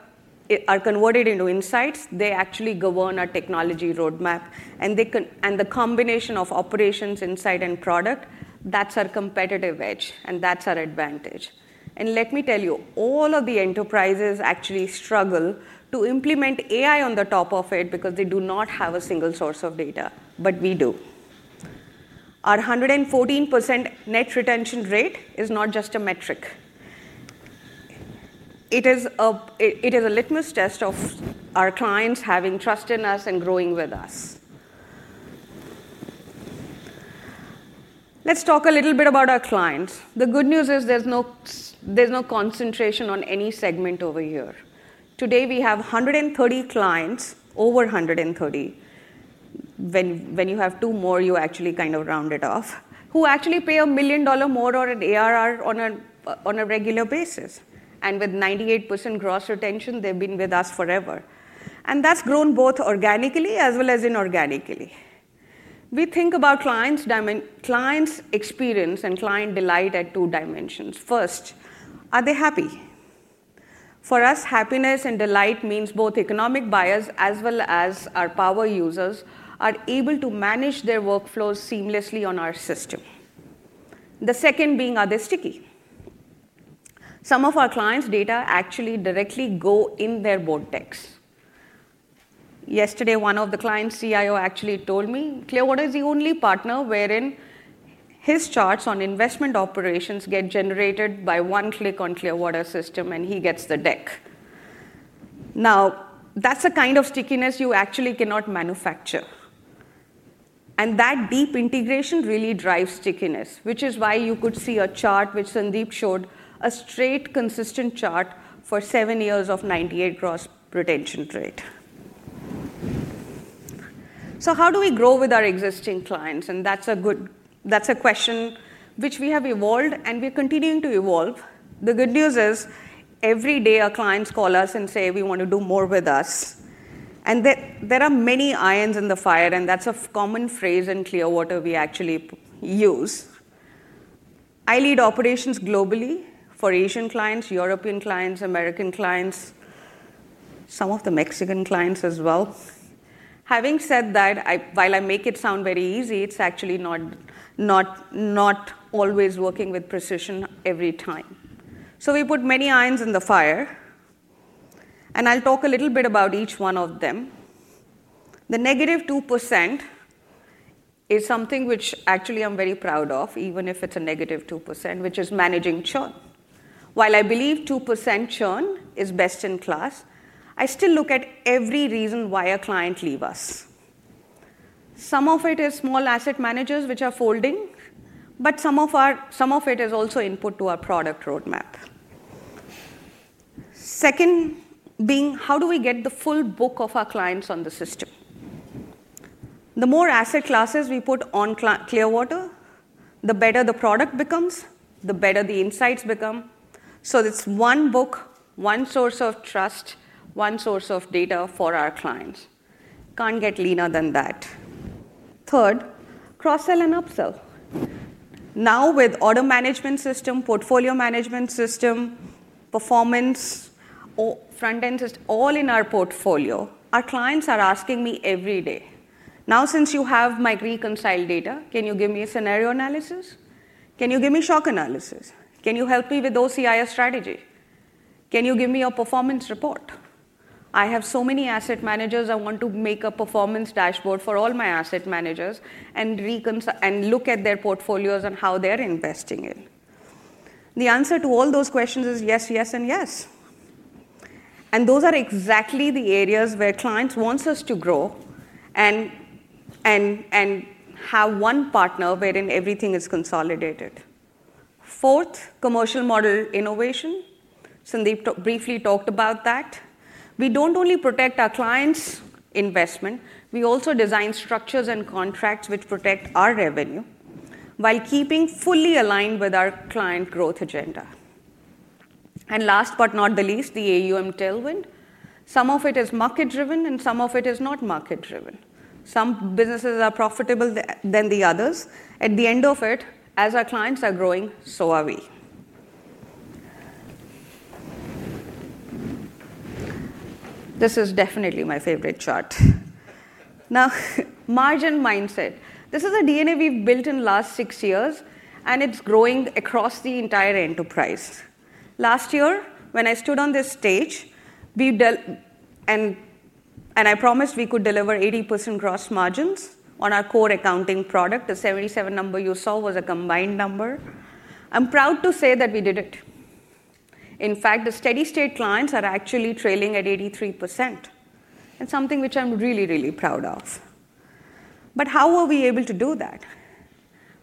are converted into insights, they actually govern our technology roadmap. The combination of operations, insight, and product, that's our competitive edge, and that's our advantage. Let me tell you, all of the enterprises actually struggle to implement AI on the top of it because they do not have a single source of data, but we do. Our 114% net retention rate is not just a metric. It is a litmus test of our clients having trust in us and growing with us. Let's talk a little bit about our clients. The good news is there's no concentration on any segment over here. Today, we have 130 clients, over 130. When you have two more, you actually kind of round it off, who actually pay $1 million more on an ARR on a regular basis, and with 98% gross retention, they've been with us forever, and that's grown both organically as well as inorganically. We think about clients' experience and client delight at two dimensions. First, are they happy? For us, happiness and delight means both economic buyers as well as our power users are able to manage their workflows seamlessly on our system. The second being, are they sticky? Some of our clients' data actually directly go in their board decks. Yesterday, one of the clients' CIO actually told me, "Clearwater is the only partner wherein his charts on investment operations get generated by one click on Clearwater system, and he gets the deck." Now, that's the kind of stickiness you actually cannot manufacture. And that deep integration really drives stickiness, which is why you could see a chart which Sandeep showed, a straight consistent chart for seven years of 98% gross retention rate. So how do we grow with our existing clients? And that's a question which we have evolved, and we're continuing to evolve. The good news is every day our clients call us and say, "We want to do more with us." And there are many irons in the fire, and that's a common phrase in Clearwater we actually use. I lead operations globally for Asian clients, European clients, American clients, some of the Mexican clients as well. Having said that, while I make it sound very easy, it's actually not always working with precision every time. So we put many irons in the fire. And I'll talk a little bit about each one of them. The negative 2% is something which actually I'm very proud of, even if it's a negative 2%, which is managing churn. While I believe 2% churn is best in class, I still look at every reason why a client leaves us. Some of it is small asset managers which are folding, but some of it is also input to our product roadmap. Second being, how do we get the full book of our clients on the system? The more asset classes we put on Clearwater, the better the product becomes, the better the insights become. So it's one book, one source of trust, one source of data for our clients. Can't get leaner than that. Third, cross-sell and upsell. Now, with order management system, portfolio management system, performance, front-end system, all in our portfolio, our clients are asking me every day, "Now, since you have my reconciled data, can you give me a scenario analysis? Can you give me shock analysis? Can you help me with OCIO strategy? Can you give me a performance report? I have so many asset managers. I want to make a performance dashboard for all my asset managers and look at their portfolios and how they're investing in." The answer to all those questions is yes, yes, and yes. Those are exactly the areas where clients want us to grow and have one partner wherein everything is consolidated. Fourth, commercial model innovation. Sandeep briefly talked about that. We don't only protect our clients' investment. We also design structures and contracts which protect our revenue while keeping fully aligned with our client growth agenda. Last but not the least, the AUM tailwind. Some of it is market-driven, and some of it is not market-driven. Some businesses are profitable than the others. At the end of it, as our clients are growing, so are we. This is definitely my favorite chart. Now, margin mindset. This is a DNA we've built in the last six years, and it's growing across the entire enterprise. Last year, when I stood on this stage, and I promised we could deliver 80% gross margins on our core accounting product, the 77 number you saw was a combined number. I'm proud to say that we did it. In fact, the steady-state clients are actually trailing at 83%. It's something which I'm really, really proud of. But how were we able to do that?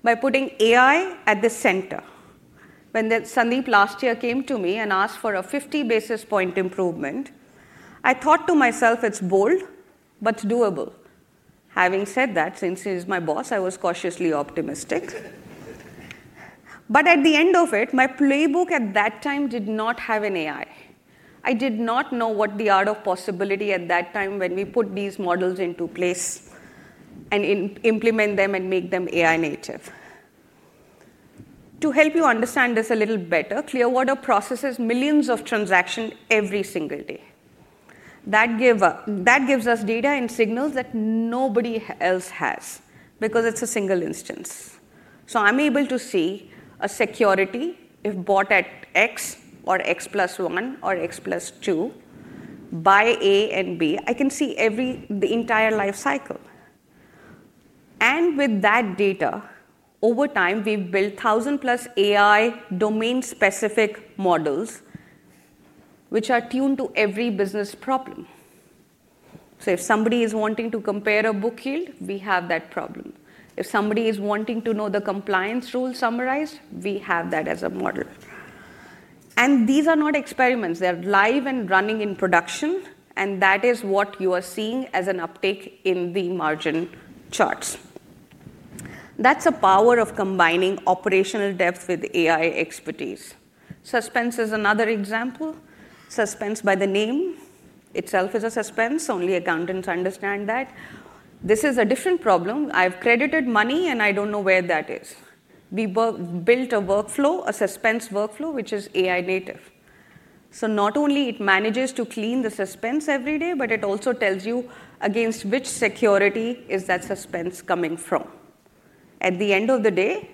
By putting AI at the center. When Sandeep last year came to me and asked for a 50 basis point improvement, I thought to myself, "It's bold, but it's doable." Having said that, since he is my boss, I was cautiously optimistic. But at the end of it, my playbook at that time did not have an AI. I did not know what the art of possibility at that time when we put these models into place and implement them and make them AI native. To help you understand this a little better, Clearwater processes millions of transactions every single day. That gives us data and signals that nobody else has because it's a single instance. So I'm able to see a security if bought at X or X plus 1 or X plus 2 by A and B. I can see the entire life cycle. And with that data, over time, we've built 1,000-plus AI domain-specific models which are tuned to every business problem. So if somebody is wanting to compare a book yield, we have that problem. If somebody is wanting to know the compliance rules summarized, we have that as a model. And these are not experiments. They're live and running in production, and that is what you are seeing as an uptake in the margin charts. That's the power of combining operational depth with AI expertise. Suspense is another example. Suspense by the name itself is a suspense. Only accountants understand that. This is a different problem. I've credited money, and I don't know where that is. We built a workflow, a suspense workflow, which is AI native. So not only it manages to clean the suspense every day, but it also tells you against which security is that suspense coming from. At the end of the day,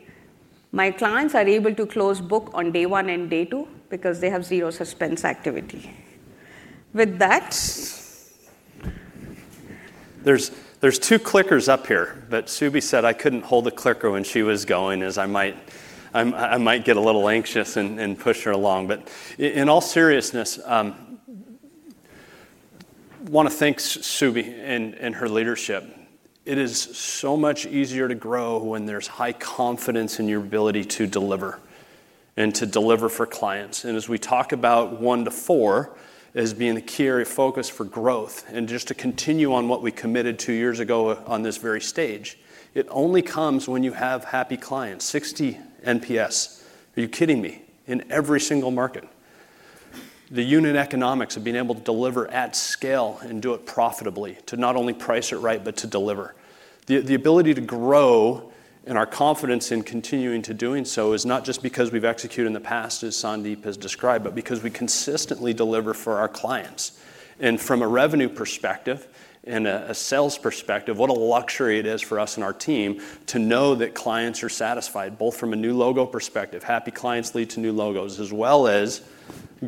my clients are able to close book on day one and day two because they have zero suspense activity. With that. There's two clickers up here, but Subi said I couldn't hold a clicker when she was going, as I might get a little anxious and push her along. But in all seriousness, I want to thank Subi and her leadership. It is so much easier to grow when there's high confidence in your ability to deliver and to deliver for clients. As we talk about one to four as being the key area of focus for growth and just to continue on what we committed two years ago on this very stage, it only comes when you have happy clients, 60 NPS. Are you kidding me? In every single market. The unit economics of being able to deliver at scale and do it profitably to not only price it right, but to deliver. The ability to grow and our confidence in continuing to doing so is not just because we've executed in the past, as Sandeep has described, but because we consistently deliver for our clients. From a revenue perspective and a sales perspective, what a luxury it is for us and our team to know that clients are satisfied, both from a new logo perspective. Happy clients lead to new logos, as well as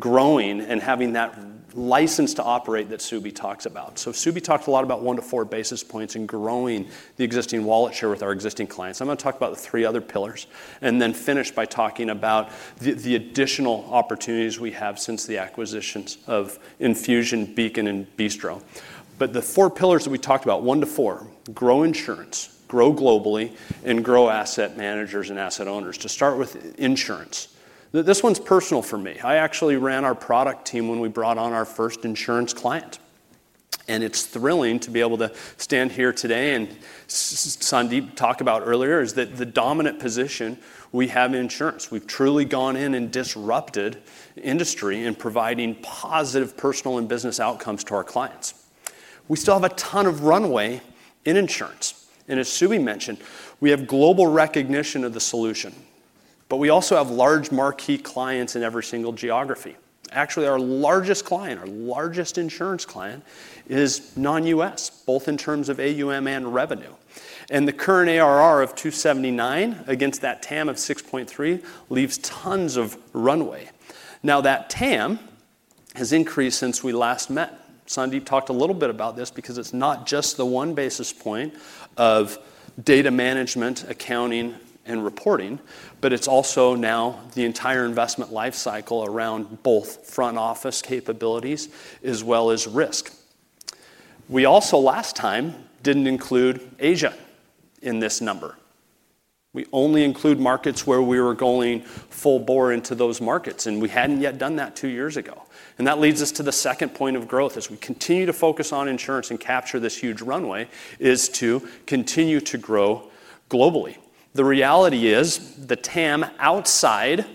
growing and having that license to operate that Subi talks about, so Subi talked a lot about one to four basis points and growing the existing wallet share with our existing clients. I'm going to talk about the three other pillars and then finish by talking about the additional opportunities we have since the acquisitions of Enfusion, Beacon, and Bistro, but the four pillars that we talked about, one to four, grow insurance, grow globally, and grow asset managers and asset owners. To start with insurance. This one's personal for me. I actually ran our product team when we brought on our first insurance client, and it's thrilling to be able to stand here today, and Sandeep talked about earlier is that the dominant position we have in insurance. We've truly gone in and disrupted industry in providing positive personal and business outcomes to our clients. We still have a ton of runway in insurance. And as Subi mentioned, we have global recognition of the solution, but we also have large marquee clients in every single geography. Actually, our largest client, our largest insurance client, is non-U.S., both in terms of AUM and revenue. And the current ARR of 279 against that TAM of 6.3 leaves tons of runway. Now, that TAM has increased since we last met. Sandeep talked a little bit about this because it's not just the one basis point of data management, accounting, and reporting, but it's also now the entire investment life cycle around both front-office capabilities as well as risk. We also last time didn't include Asia in this number. We only include markets where we were going full bore into those markets, and we hadn't yet done that two years ago, and that leads us to the second point of growth as we continue to focus on insurance and capture this huge runway is to continue to grow globally. The reality is, the TAM outside.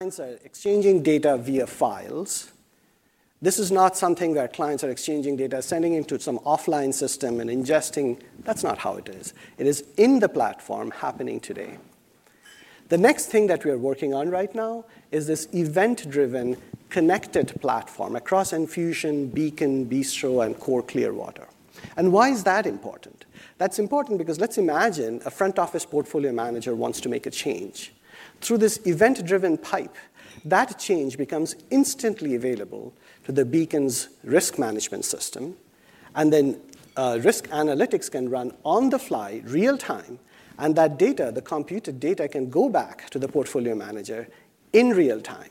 Clients are exchanging data via files. This is not something that clients are exchanging data, sending it to some offline system and ingesting. That's not how it is. It is in the platform happening today. The next thing that we are working on right now is this event-driven, connected platform across Enfusion, Beacon, Bistro, and Core Clearwater. And why is that important? That's important because let's imagine a front office portfolio manager wants to make a change. Through this event-driven pipe, that change becomes instantly available to the Beacon's risk management system, and then risk analytics can run on the fly, real time, and that data, the computed data, can go back to the portfolio manager in real time.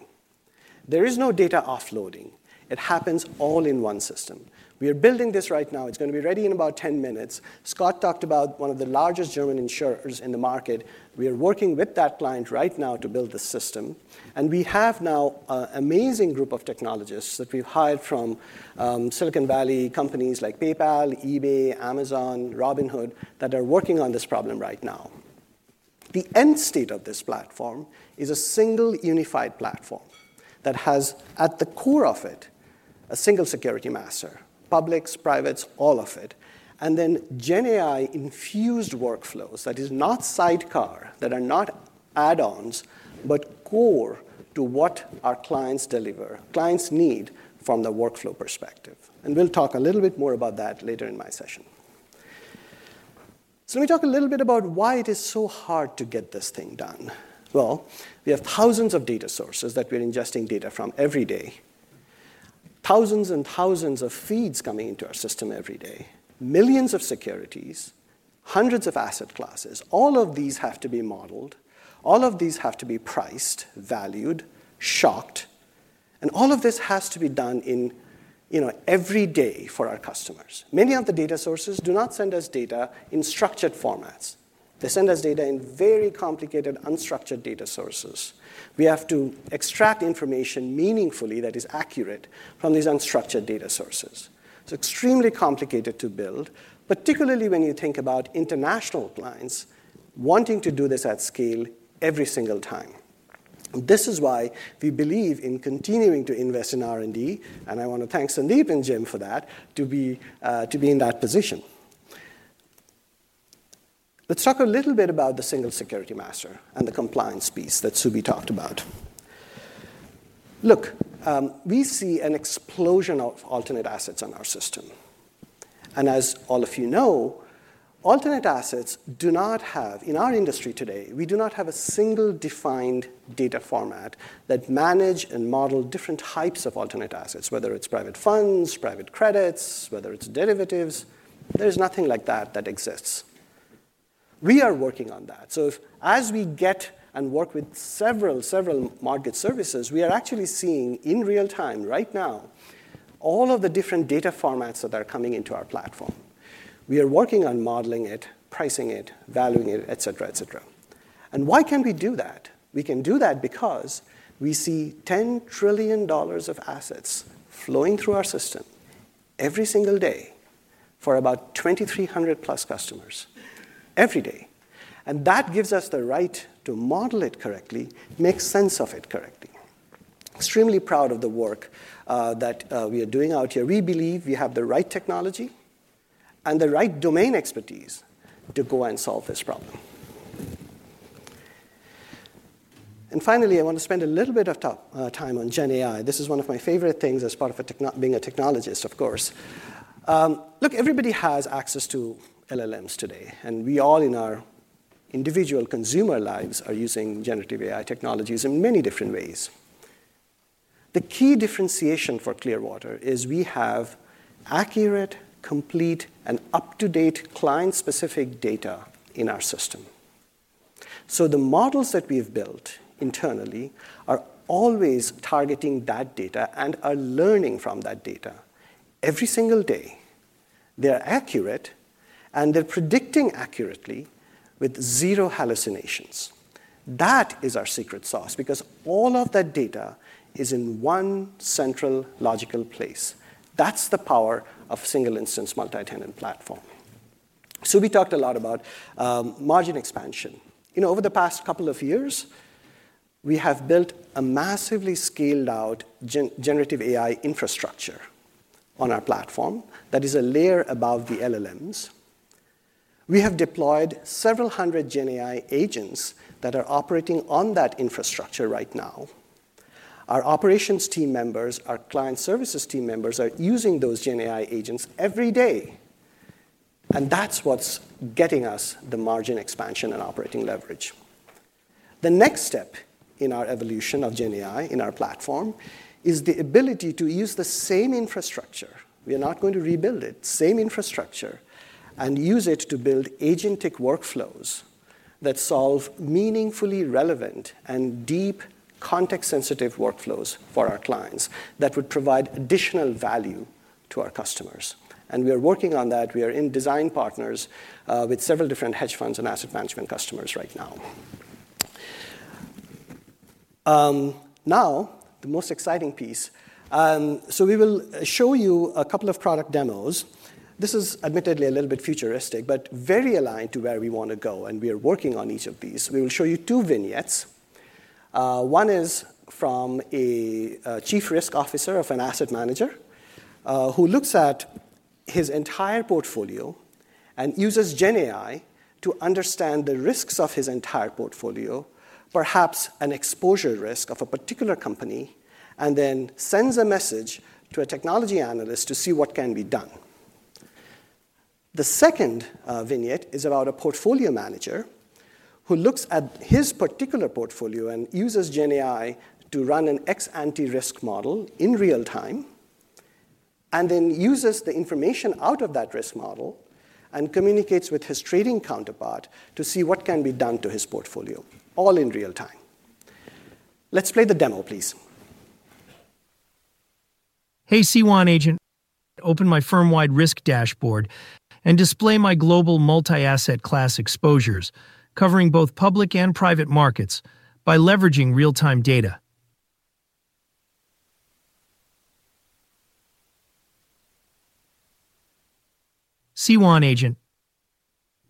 There is no data offloading. It happens all in one system. We are building this right now. It's going to be ready in about 10 minutes. Scott talked about one of the largest German insurers in the market. We are working with that client right now to build the system, and we have now an amazing group of technologists that we've hired from Silicon Valley companies like PayPal, eBay, Amazon, Robinhood that are working on this problem right now. The end state of this platform is a single unified platform that has, at the core of it, a single security master: publics, privates, all of it. GenAI infused workflows that are not sidecar, that are not add-ons, but core to what our clients deliver, clients need from the workflow perspective. We'll talk a little bit more about that later in my session. Let me talk a little bit about why it is so hard to get this thing done. We have thousands of data sources that we're ingesting data from every day, thousands and thousands of feeds coming into our system every day, millions of securities, hundreds of asset classes. All of these have to be modeled. All of these have to be priced, valued, shocked. All of this has to be done every day for our customers. Many of the data sources do not send us data in structured formats. They send us data in very complicated, unstructured data sources. We have to extract information meaningfully that is accurate from these unstructured data sources. It's extremely complicated to build, particularly when you think about international clients wanting to do this at scale every single time. This is why we believe in continuing to invest in R&D. And I want to thank Sandeep and Jim for that, to be in that position. Let's talk a little bit about the single security master and the compliance piece that Subi talked about. Look, we see an explosion of alternative assets on our system. And as all of you know, alternative assets do not have in our industry today, we do not have a single defined data format that manages and models different types of alternative assets, whether it's private funds, private credits, whether it's derivatives. There is nothing like that that exists. We are working on that. So as we get and work with several, several market services, we are actually seeing in real time right now all of the different data formats that are coming into our platform. We are working on modeling it, pricing it, valuing it, et cetera, et cetera. And why can we do that? We can do that because we see $10 trillion of assets flowing through our system every single day for about 2,300 plus customers every day. And that gives us the right to model it correctly, make sense of it correctly. Extremely proud of the work that we are doing out here. We believe we have the right technology and the right domain expertise to go and solve this problem. And finally, I want to spend a little bit of time on GenAI. This is one of my favorite things as part of being a technologist, of course. Look, everybody has access to LLMs today. And we all, in our individual consumer lives, are using generative AI technologies in many different ways. The key differentiation for Clearwater is we have accurate, complete, and up-to-date client-specific data in our system. So the models that we have built internally are always targeting that data and are learning from that data every single day. They are accurate, and they're predicting accurately with zero hallucinations. That is our secret sauce because all of that data is in one central logical place. That's the power of a single instance multi-tenant platform. So we talked a lot about margin expansion. Over the past couple of years, we have built a massively scaled-out generative AI infrastructure on our platform that is a layer above the LLMs. We have deployed several hundred GenAI agents that are operating on that infrastructure right now. Our operations team members, our client services team members are using those GenAI agents every day. And that's what's getting us the margin expansion and operating leverage. The next step in our evolution of GenAI in our platform is the ability to use the same infrastructure. We are not going to rebuild it, same infrastructure, and use it to build agentic workflows that solve meaningfully relevant and deep, context-sensitive workflows for our clients that would provide additional value to our customers. And we are working on that. We are in design partners with several different hedge funds and asset management customers right now. Now, the most exciting piece. So we will show you a couple of product demos. This is admittedly a little bit futuristic, but very aligned to where we want to go. And we are working on each of these. We will show you two vignettes. One is from a chief risk officer of an asset manager who looks at his entire portfolio and uses GenAI to understand the risks of his entire portfolio, perhaps an exposure risk of a particular company, and then sends a message to a technology analyst to see what can be done. The second vignette is about a portfolio manager who looks at his particular portfolio and uses GenAI to run an ex-ante risk model in real time, and then uses the information out of that risk model and communicates with his trading counterpart to see what can be done to his portfolio, all in real time. Let's play the demo, please. Hey, C1 Agent. Open my firm-wide risk dashboard and display my global multi-asset class exposures covering both public and private markets by leveraging real-time data. C1 Agent.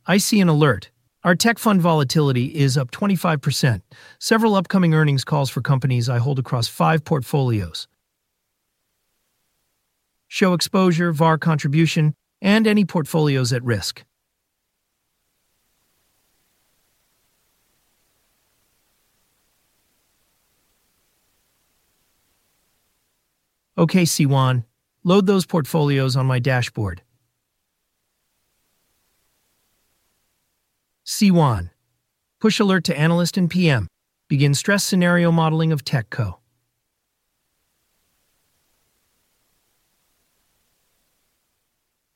I see an alert. Our tech fund volatility is up 25%. Several upcoming earnings calls for companies I hold across five portfolios. Show exposure, VAR contribution, and any portfolios at risk. Okay, C1. Load those portfolios on my dashboard. C1. Push alert to analyst and PM. Begin stress scenario modeling of TechCo.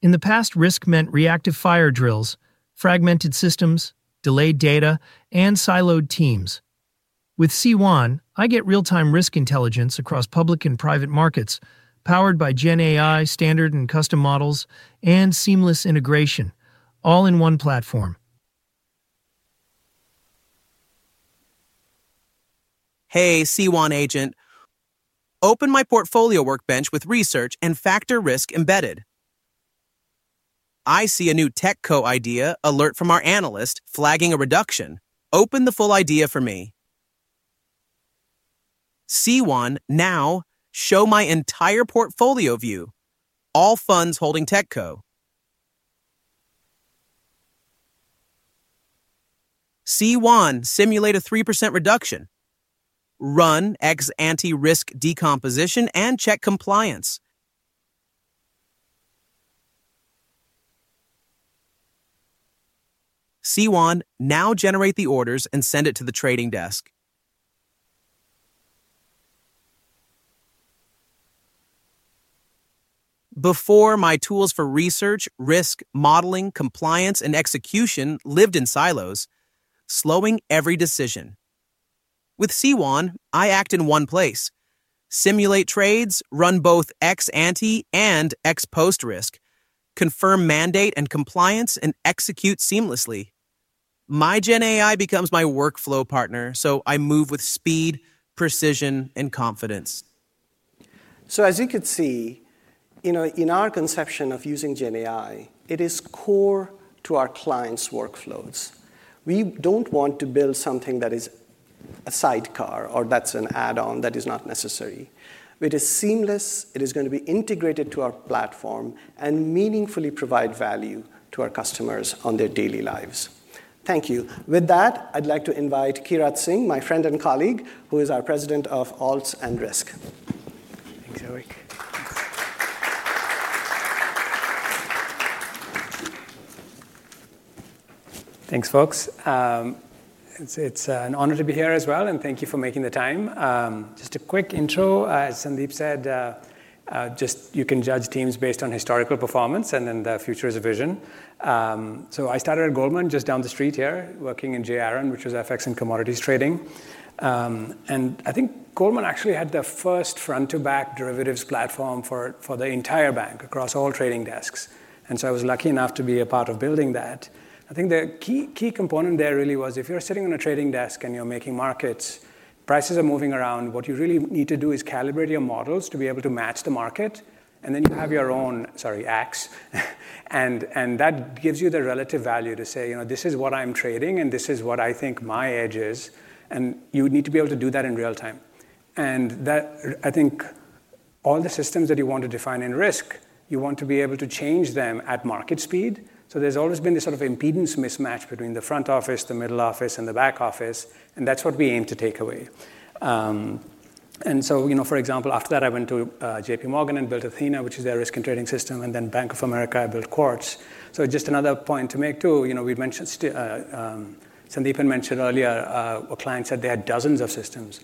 In the past, risk meant reactive fire drills, fragmented systems, delayed data, and siloed teams. With C1, I get real-time risk intelligence across public and private markets powered by GenAI standard and custom models, and seamless integration, all in one platform. Hey, C1 Agent. Open my portfolio workbench with research and factor risk embedded. I see a new TechCo idea alert from our analyst flagging a reduction. Open the full idea for me. C1, now show my entire portfolio view. All funds holding TechCo. C1, simulate a 3% reduction. Run ex-ante risk decomposition and check compliance. C1, now generate the orders and send it to the trading desk. Before, my tools for research, risk, modeling, compliance, and execution lived in silos, slowing every decision. With C1, I act in one place. Simulate trades, run both ex-ante and ex-post risk, confirm mandate and compliance, and execute seamlessly. My GenAI becomes my workflow partner, so I move with speed, precision, and confidence. So as you can see, in our conception of using GenAI, it is core to our clients' workflows. We don't want to build something that is a sidecar or that's an add-on that is not necessary. It is seamless. It is going to be integrated to our platform and meaningfully provide value to our customers on their daily lives. Thank you. With that, I'd like to invite Kirat Singh, my friend and colleague, who is our president of Alts and Risk. Thanks, Eric. Thanks, folks. It's an honor to be here as well, and thank you for making the time. Just a quick intro. As Sandeep said, just you can judge teams based on historical performance, and then the future is a vision. So I started at Goldman, just down the street here, working in J. Aron, which was FX and commodities trading. And I think Goldman actually had the first front-to-back derivatives platform for the entire bank across all trading desks. And so I was lucky enough to be a part of building that. I think the key component there really was if you're sitting on a trading desk and you're making markets, prices are moving around. What you really need to do is calibrate your models to be able to match the market. And then you have your own, sorry, axe. And that gives you the relative value to say, this is what I'm trading, and this is what I think my edge is. And you would need to be able to do that in real time. And I think all the systems that you want to define in risk, you want to be able to change them at market speed. So there's always been this sort of impedance mismatch between the front office, the middle office, and the back office. And that's what we aim to take away. And so, for example, after that, I went to J.P. Morgan and built Athena, which is their risk and trading system. And then Bank of America, I built Quartz. So just another point to make, too. Sandeep had mentioned earlier, our clients said they had dozens of systems.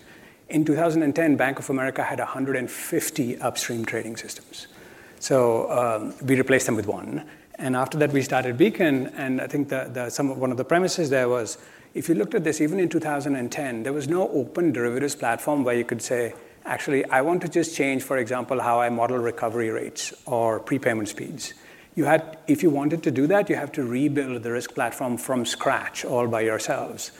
In 2010, Bank of America had 150 upstream trading systems. So we replaced them with one. And after that, we started Beacon. And I think one of the premises there was, if you looked at this, even in 2010, there was no open derivatives platform where you could say, actually, I want to just change, for example, how I model recovery rates or prepayment speeds. If you wanted to do that, you have to rebuild the risk platform from scratch all by yourselves.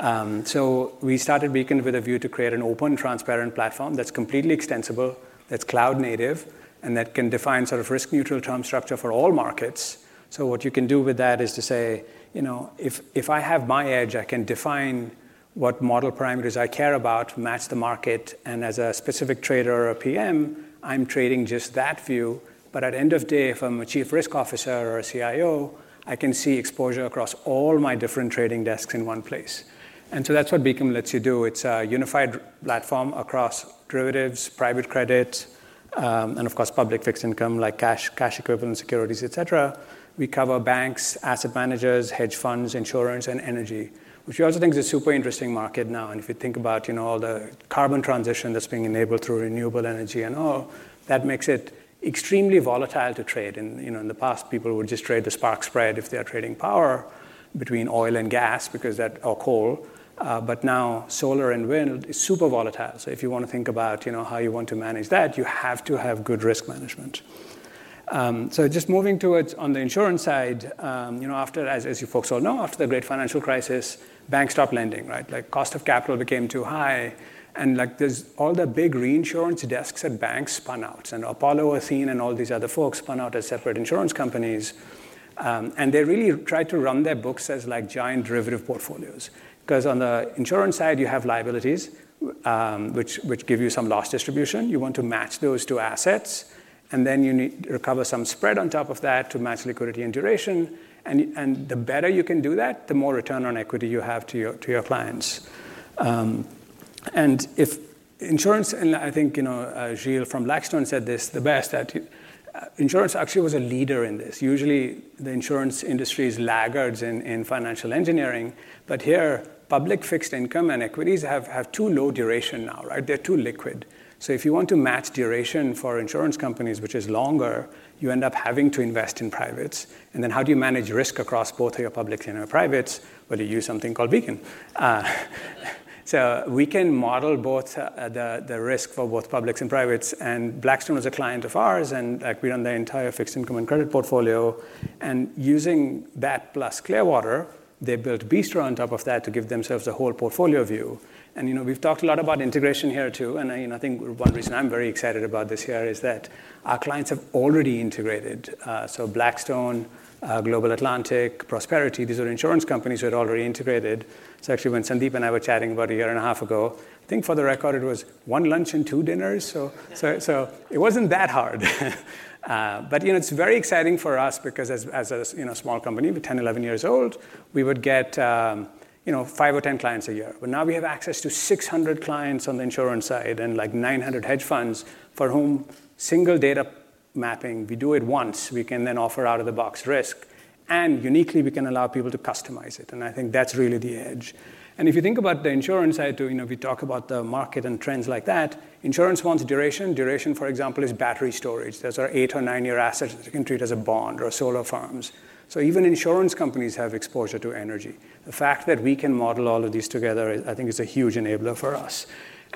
So we started Beacon with a view to create an open, transparent platform that's completely extensible, that's cloud-native, and that can define sort of risk-neutral term structure for all markets. So what you can do with that is to say, if I have my edge, I can define what model parameters I care about, match the market. And as a specific trader or a PM, I'm trading just that view. But at end of day, if I'm a chief risk officer or a CIO, I can see exposure across all my different trading desks in one place. And so that's what Beacon lets you do. It's a unified platform across derivatives, private credit, and of course, public fixed income like cash equivalent securities, et cetera. We cover banks, asset managers, hedge funds, insurance, and energy. Which we also think is a super interesting market now. And if you think about all the carbon transition that's being enabled through renewable energy and all, that makes it extremely volatile to trade. In the past, people would just trade the spark spread if they are trading power between oil and gas or coal. But now, solar and wind is super volatile. So if you want to think about how you want to manage that, you have to have good risk management. So just moving towards on the insurance side, as you folks all know, after the great financial crisis, banks stopped lending. Cost of capital became too high. And all the big reinsurance desks at banks spun out. And Apollo, Athene and all these other folks spun out as separate insurance companies. And they really tried to run their books as giant derivative portfolios. Because on the insurance side, you have liabilities, which give you some loss distribution. You want to match those two assets. And then you need to recover some spread on top of that to match liquidity and duration. And the better you can do that, the more return on equity you have to your clients. And I think Gilles from Blackstone said this the best, that insurance actually was a leader in this. Usually, the insurance industry is laggards in financial engineering. But here, public fixed income and equities have too low duration now. They're too liquid. So if you want to match duration for insurance companies, which is longer, you end up having to invest in privates. And then how do you manage risk across both your public and your privates? Well, you use something called Beacon. So we can model both the risk for both publics and privates. And Blackstone was a client of ours. And we run the entire fixed income and credit portfolio. And using that plus Clearwater, they built Bistro on top of that to give themselves a whole portfolio view. And we've talked a lot about integration here, too. And I think one reason I'm very excited about this here is that our clients have already integrated. So Blackstone, Global Atlantic, Prosperity, these are insurance companies who had already integrated. So actually, when Sandeep and I were chatting about a year and a half ago, I think for the record, it was one lunch and two dinners. So it wasn't that hard. But it's very exciting for us because as a small company 10-11 years old, we would get five or 10 clients a year. But now we have access to 600 clients on the insurance side and 900 hedge funds for whom single data mapping, we do it once. We can then offer out-of-the-box risk. And uniquely, we can allow people to customize it. And I think that's really the edge. And if you think about the insurance side, too, we talk about the market and trends like that. Insurance wants duration. Duration, for example, is battery storage. Those are eight- or nine-year assets that you can treat as a bond or solar farms. Even insurance companies have exposure to energy. The fact that we can model all of these together, I think, is a huge enabler for us.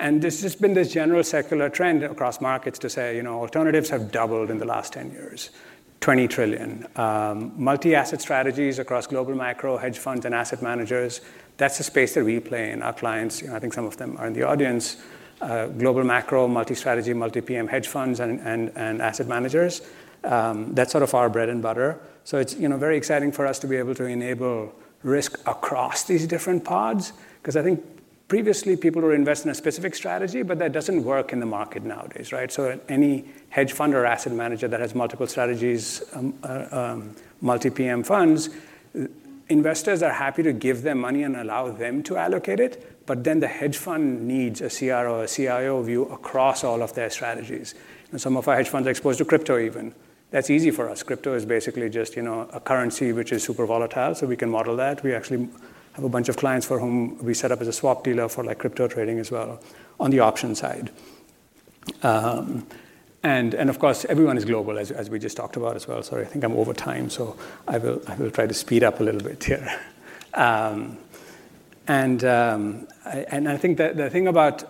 There's just been this general secular trend across markets to say alternatives have doubled in the last 10 years, $20 trillion. Multi-asset strategies across global macro hedge funds and asset managers, that's the space that we play in. Our clients, I think some of them are in the audience, global macro, multi-strategy, multi-PM hedge funds, and asset managers. That's sort of our bread and butter. It's very exciting for us to be able to enable risk across these different pods. Because I think previously, people were investing in a specific strategy, but that doesn't work in the market nowadays. So any hedge fund or asset manager that has multiple strategies, multi-PM funds, investors are happy to give them money and allow them to allocate it. But then the hedge fund needs a CRO or a CIO view across all of their strategies. And some of our hedge funds are exposed to crypto even. That's easy for us. Crypto is basically just a currency which is super volatile. So we can model that. We actually have a bunch of clients for whom we set up as a swap dealer for crypto trading as well on the option side. And of course, everyone is global, as we just talked about as well. Sorry, I think I'm over time. So I will try to speed up a little bit here. I think the thing about,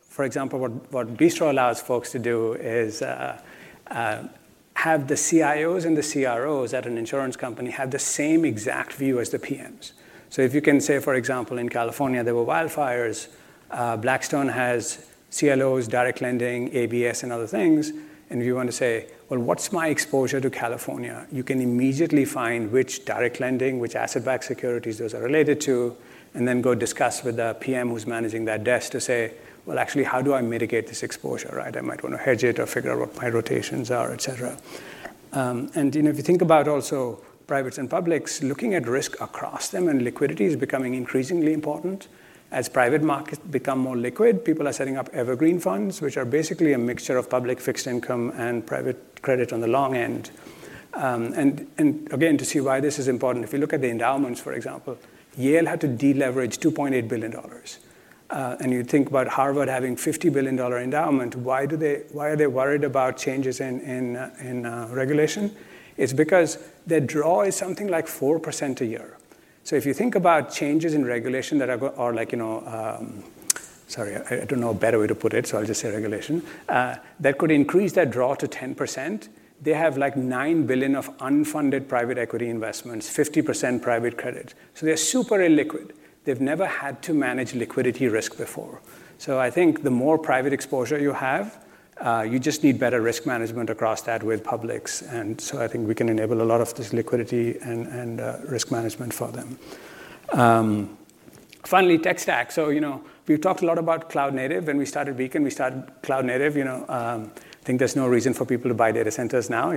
for example, what Bistro allows folks to do is have the CIOs and the CROs at an insurance company have the same exact view as the PMs. So if you can say, for example, in California, there were wildfires, Blackstone has CLOs, direct lending, ABS, and other things. And if you want to say, well, what's my exposure to California, you can immediately find which direct lending, which asset-backed securities those are related to, and then go discuss with the PM who's managing that desk to say, well, actually, how do I mitigate this exposure? I might want to hedge it or figure out what my rotations are, et cetera. And if you think about also privates and publics, looking at risk across them and liquidity is becoming increasingly important. As private markets become more liquid, people are setting up evergreen funds, which are basically a mixture of public fixed income and private credit on the long end. And again, to see why this is important, if you look at the endowments, for example, Yale had to deleverage $2.8 billion. And you think about Harvard having $50 billion endowment, why are they worried about changes in regulation? It's because their draw is something like 4% a year. So if you think about changes in regulation that are like, sorry, I don't know a better way to put it, so I'll just say regulation, that could increase their draw to 10%. They have like nine billion of unfunded private equity investments, 50% private credit. So they're super illiquid. They've never had to manage liquidity risk before. So, I think the more private exposure you have, you just need better risk management across that with publics. And so I think we can enable a lot of this liquidity and risk management for them. Finally, tech stack. So we've talked a lot about cloud-native. When we started Beacon, we started cloud-native. I think there's no reason for people to buy data centers now.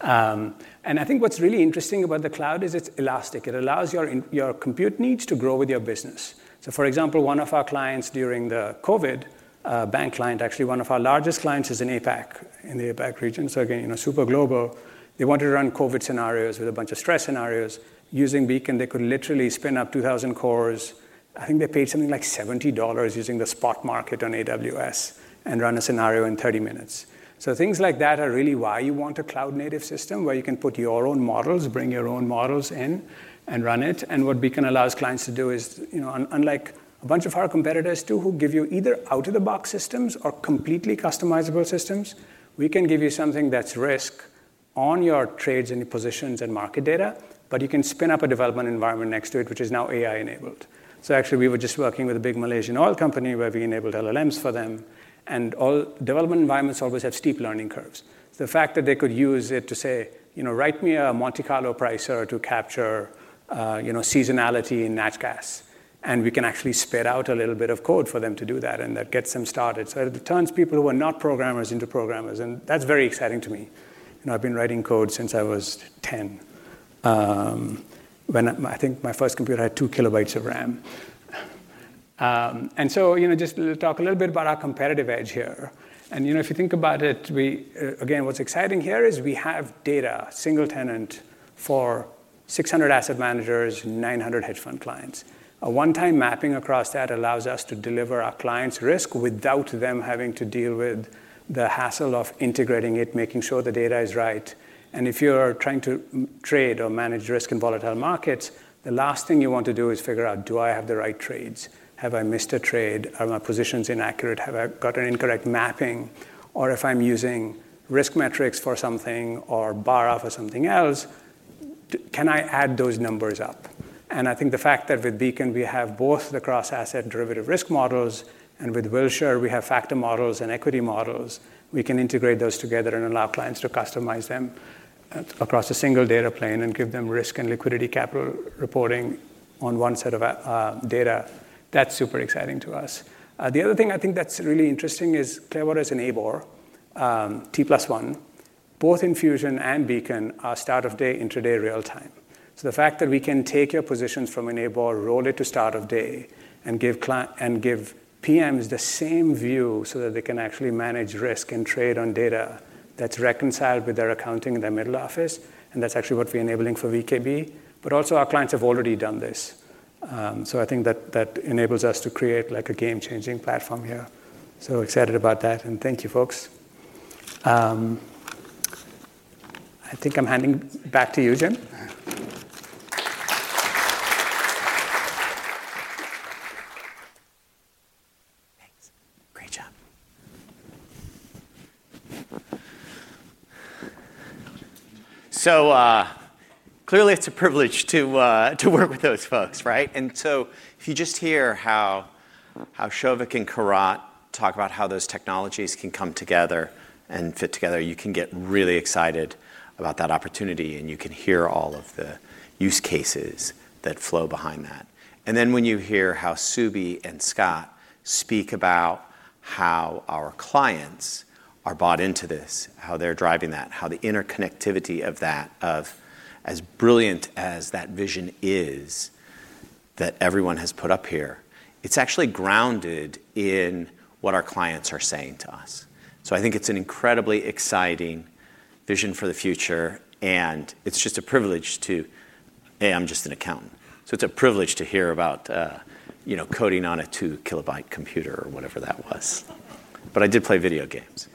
And I think what's really interesting about the cloud is it's elastic. It allows your compute needs to grow with your business. So for example, one of our clients during the COVID bank client, actually one of our largest clients is in APAC, in the APAC region. So again, super global. They wanted to run COVID scenarios with a bunch of stress scenarios. Using Beacon, they could literally spin up 2,000 cores. I think they paid something like $70 using the spot market on AWS and run a scenario in 30 minutes. So things like that are really why you want a cloud-native system where you can put your own models, bring your own models in and run it. And what Beacon allows clients to do is, unlike a bunch of our competitors, too, who give you either out-of-the-box systems or completely customizable systems, we can give you something that's risk on your trades and your positions and market data, but you can spin up a development environment next to it, which is now AI-enabled. So actually, we were just working with a big Malaysian oil company where we enabled LLMs for them. And development environments always have steep learning curves. The fact that they could use it to say, write me a Monte Carlo pricer to capture seasonality in natural gas. And we can actually spit out a little bit of code for them to do that. And that gets them started. So it turns people who are not programmers into programmers. And that's very exciting to me. I've been writing code since I was 10. I think my first computer had two kilobytes of RAM. And so just to talk a little bit about our competitive edge here. And if you think about it, again, what's exciting here is we have single-tenant data for 600 asset managers, 900 hedge fund clients. A one-time mapping across that allows us to deliver our clients' risk without them having to deal with the hassle of integrating it, making sure the data is right. And if you're trying to trade or manage risk in volatile markets, the last thing you want to do is figure out, do I have the right trades? Have I missed a trade? Are my positions inaccurate? Have I got an incorrect mapping? Or if I'm using risk metrics for something or IBOR or something else, can I add those numbers up? I think the fact that with Beacon, we have both the cross-asset derivative risk models. With Wilshire, we have factor models and equity models. We can integrate those together and allow clients to customize them across a single data plane and give them risk and liquidity capital reporting on one set of data. That's super exciting to us. The other thing I think that's really interesting is Clearwater is an IBOR, T+1. Both Enfusion and Beacon are start of day intraday real time. So the fact that we can take your positions from an IBOR, roll it to start of day, and give PMs the same view so that they can actually manage risk and trade on data that's reconciled with their accounting in their middle office. That's actually what we're enabling for VKB. But also, our clients have already done this. I think that enables us to create a game-changing platform here. Excited about that. Thank you, folks. I think I'm handing back to you, Jim. Great job. Clearly, it's a privilege to work with those folks. If you just hear how Souvik and Kirat talk about how those technologies can come together and fit together, you can get really excited about that opportunity. You can hear all of the use cases that flow behind that. And then when you hear how Subi and Scott speak about how our clients are bought into this, how they're driving that, how the interconnectivity of that, of as brilliant as that vision is that everyone has put up here, it's actually grounded in what our clients are saying to us. So I think it's an incredibly exciting vision for the future. And it's just a privilege to, hey, I'm just an accountant. So it's a privilege to hear about coding on a two kilobyte computer or whatever that was. But I did play video games.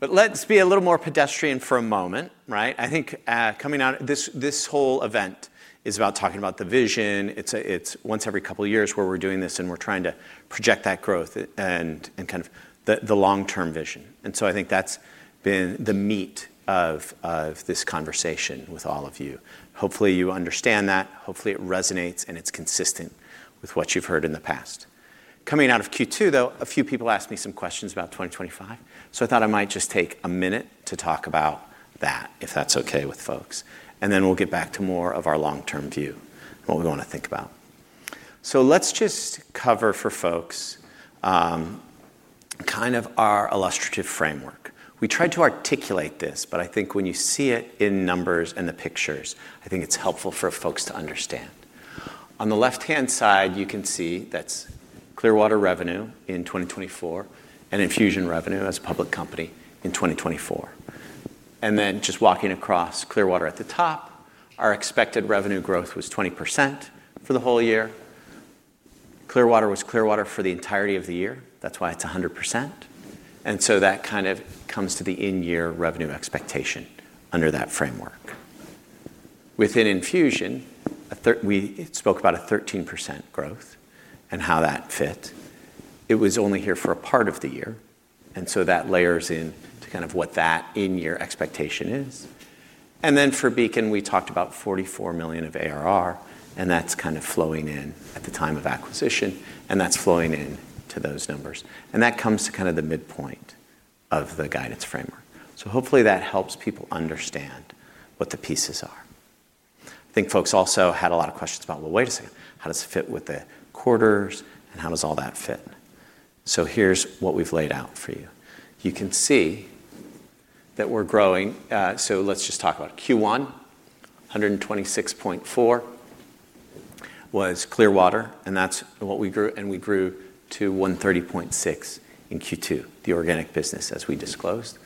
But let's be a little more pedestrian for a moment. I think coming out, this whole event is about talking about the vision. It's once every couple of years where we're doing this. And we're trying to project that growth and kind of the long-term vision. And so I think that's been the meat of this conversation with all of you. Hopefully, you understand that. Hopefully, it resonates. And it's consistent with what you've heard in the past. Coming out of Q2, though, a few people asked me some questions about 2025. So I thought I might just take a minute to talk about that, if that's OK with folks. And then we'll get back to more of our long-term view, what we want to think about. So let's just cover for folks kind of our illustrative framework. We tried to articulate this. But I think when you see it in numbers and the pictures, I think it's helpful for folks to understand. On the left-hand side, you can see that's Clearwater revenue in 2024 and Enfusion revenue as a public company in 2024. And then just walking across Clearwater at the top, our expected revenue growth was 20% for the whole year. Clearwater was Clearwater for the entirety of the year. That's why it's 100%. And so that kind of comes to the in-year revenue expectation under that framework. Within Enfusion, we spoke about a 13% growth and how that fit. It was only here for a part of the year. And so that layers in to kind of what that in-year expectation is. And then for Beacon, we talked about $44 million of ARR. And that's kind of flowing in at the time of acquisition. And that comes to kind of the midpoint of the guidance framework. So hopefully, that helps people understand what the pieces are. I think folks also had a lot of questions about, well, wait a second. How does it fit with the quarters? And how does all that fit? So here's what we've laid out for you. You can see that we're growing. So let's just talk about Q1. $126.4 million was Clearwater. And that's what we grew. And we grew to $130.6 million in Q2, the organic business, as we disclosed.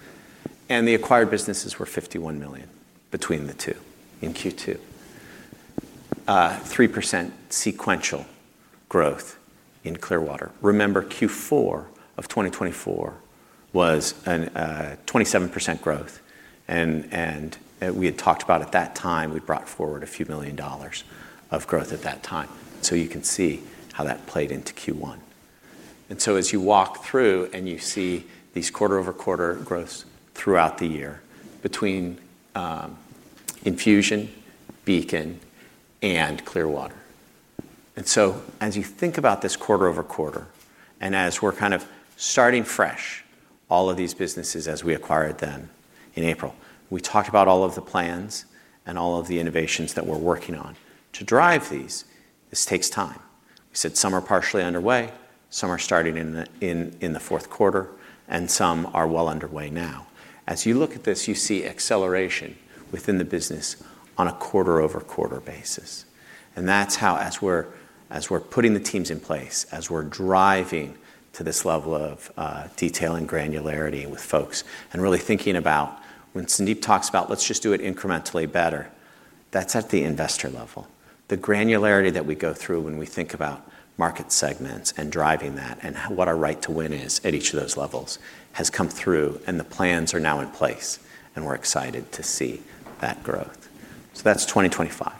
And the acquired businesses were $51 million between the two in Q2. 3% sequential growth in Clearwater. Remember, Q4 of 2024 was a 27% growth. And we had talked about at that time, we brought forward a few million dollars of growth at that time. So you can see how that played into Q1. And so as you walk through and you see these quarter-over-quarter growths throughout the year between Enfusion, Beacon, and Clearwater. And so as you think about this quarter-over-quarter and as we're kind of starting fresh, all of these businesses as we acquired them in April, we talked about all of the plans and all of the innovations that we're working on. To drive these, this takes time. We said some are partially underway. Some are starting in the fourth quarter. And some are well underway now. As you look at this, you see acceleration within the business on a quarter-over-quarter basis. And that's how, as we're putting the teams in place, as we're driving to this level of detail and granularity with folks and really thinking about when Sandeep talks about, let's just do it incrementally better, that's at the investor level. The granularity that we go through when we think about market segments and driving that and what our right to win is at each of those levels has come through. And the plans are now in place. And we're excited to see that growth. So that's 2025.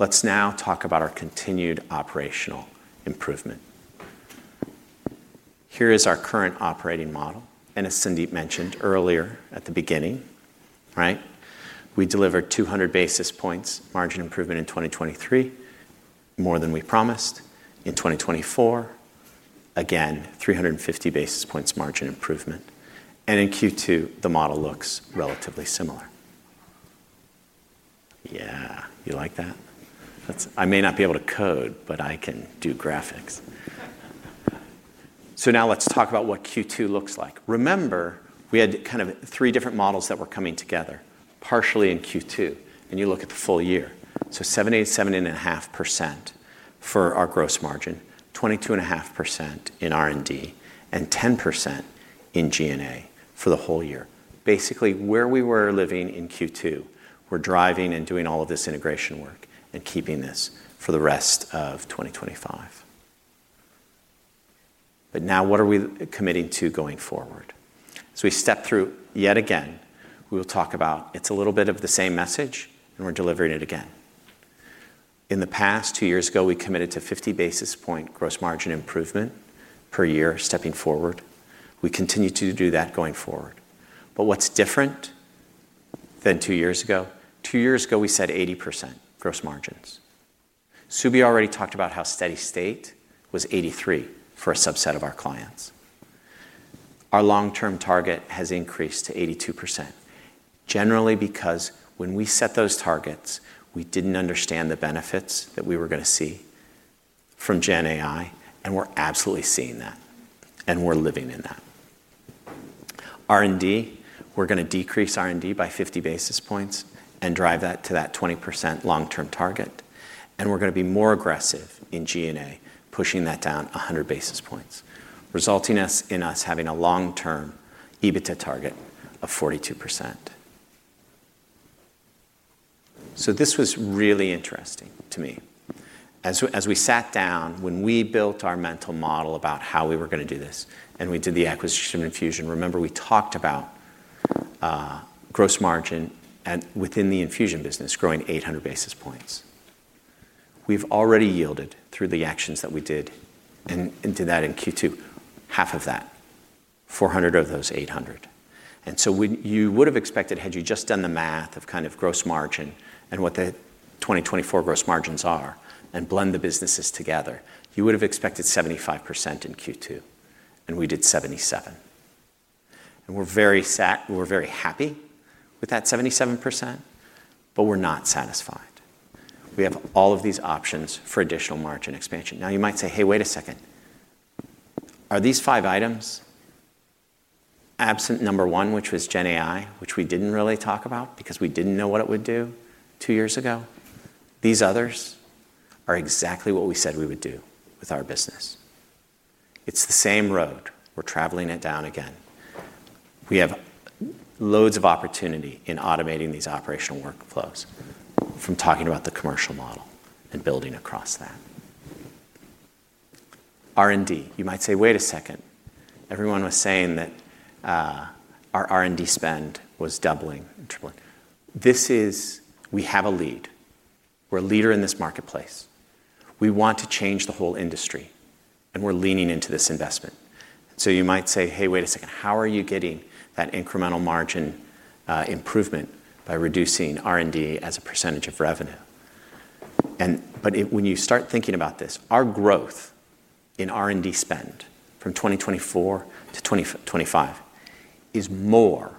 Let's now talk about our continued operational improvement. Here is our current operating model. And as Sandeep mentioned earlier at the beginning, we delivered 200 basis points margin improvement in 2023, more than we promised. In 2024, again, 350 basis points margin improvement. And in Q2, the model looks relatively similar. Yeah, you like that? I may not be able to code, but I can do graphics. So now let's talk about what Q2 looks like. Remember, we had kind of three different models that were coming together partially in Q2. And you look at the full year. 70%, 70.5% for our gross margin, 22.5% in R&D, and 10% in G&A for the whole year. Basically, where we were living in Q2, we're driving and doing all of this integration work and keeping this for the rest of 2025. Now, what are we committing to going forward? As we step through, yet again, we will talk about it's a little bit of the same message. We're delivering it again. In the past, two years ago, we committed to 50 basis point gross margin improvement per year, stepping forward. We continue to do that going forward. What's different than two years ago? Two years ago, we set 80% gross margins. Subi already talked about how steady state was 83 for a subset of our clients. Our long-term target has increased to 82%, generally because when we set those targets, we didn't understand the benefits that we were going to see from GenAI, and we're absolutely seeing that. And we're living in that. R&D, we're going to decrease R&D by 50 basis points and drive that to that 20% long-term target. And we're going to be more aggressive in G&A, pushing that down 100 basis points, resulting in us having a long-term EBITDA target of 42%. So this was really interesting to me. As we sat down, when we built our mental model about how we were going to do this and we did the acquisition and Enfusion, remember, we talked about gross margin within the Enfusion business growing 800 basis points. We've already yielded through the actions that we did into that in Q2, half of that, 400 of those 800. And so you would have expected, had you just done the math of kind of gross margin and what the 2024 gross margins are and blend the businesses together, you would have expected 75% in Q2. And we did 77. And we're very happy with that 77%. But we're not satisfied. We have all of these options for additional margin expansion. Now, you might say, hey, wait a second. Are these five items absent number one, which was GenAI, which we didn't really talk about because we didn't know what it would do two years ago? These others are exactly what we said we would do with our business. It's the same road. We're traveling it down again. We have loads of opportunity in automating these operational workflows from talking about the commercial model and building across that. R&D, you might say, wait a second. Everyone was saying that our R&D spend was doubling and tripling. This is, we have a lead. We're a leader in this marketplace. We want to change the whole industry. And we're leaning into this investment. So you might say, hey, wait a second. How are you getting that incremental margin improvement by reducing R&D as a percentage of revenue? But when you start thinking about this, our growth in R&D spend from 2024 to 2025 is more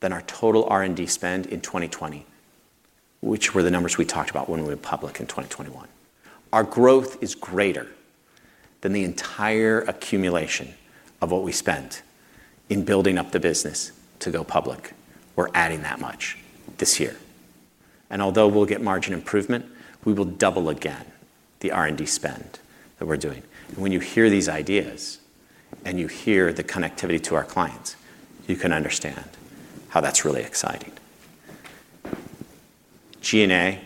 than our total R&D spend in 2020, which were the numbers we talked about when we were public in 2021. Our growth is greater than the entire accumulation of what we spent in building up the business to go public. We're adding that much this year. And although we'll get margin improvement, we will double again the R&D spend that we're doing. When you hear these ideas and you hear the connectivity to our clients, you can understand how that's really exciting. G&A,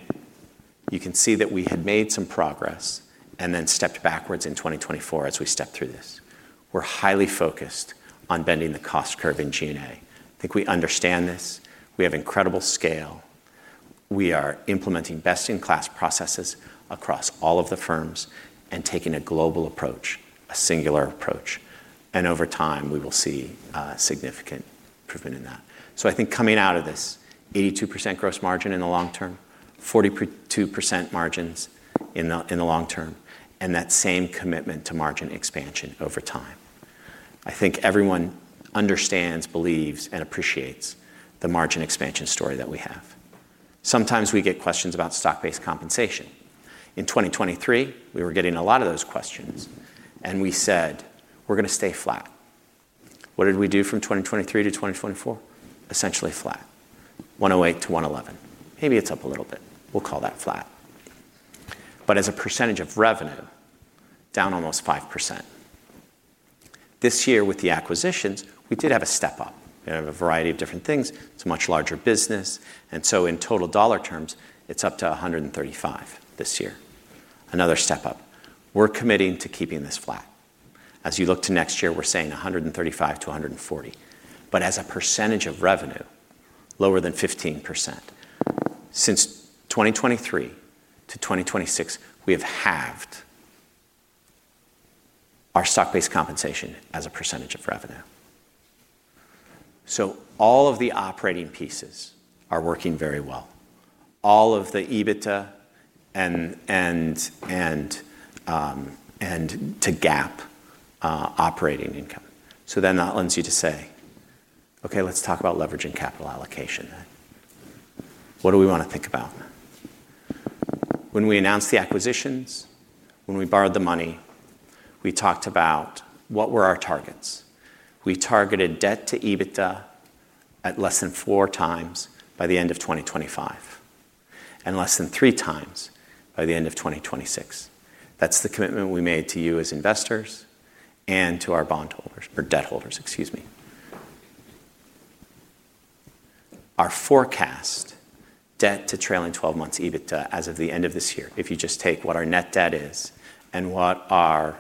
you can see that we had made some progress and then stepped backwards in 2024 as we stepped through this. We're highly focused on bending the cost curve in G&A. I think we understand this. We have incredible scale. We are implementing best-in-class processes across all of the firms and taking a global approach, a singular approach. And over time, we will see significant improvement in that. I think coming out of this, 82% gross margin in the long term, 42% margins in the long term, and that same commitment to margin expansion over time. I think everyone understands, believes, and appreciates the margin expansion story that we have. Sometimes we get questions about stock-based compensation. In 2023, we were getting a lot of those questions. We said, we're going to stay flat. What did we do from 2023 to 2024? Essentially flat, 108-111. Maybe it's up a little bit. We'll call that flat. But as a percentage of revenue, down almost 5%. This year, with the acquisitions, we did have a step up. We have a variety of different things. It's a much larger business. And so in total dollar terms, it's up to 135 this year. Another step up. We're committing to keeping this flat. As you look to next year, we're saying 135-140. But as a percentage of revenue, lower than 15%. Since 2023 to 2026, we have halved our stock-based compensation as a percentage of revenue. So all of the operating pieces are working very well, all of the EBITDA and to GAAP operating income. So then that lends you to say, OK, let's talk about leveraging capital allocation then. What do we want to think about? When we announced the acquisitions, when we borrowed the money, we talked about what were our targets. We targeted debt to EBITDA at less than four times by the end of 2025 and less than three times by the end of 2026. That's the commitment we made to you as investors and to our bondholders or debt holders, excuse me. Our forecast debt to trailing 12 months EBITDA as of the end of this year, if you just take what our net debt is and what our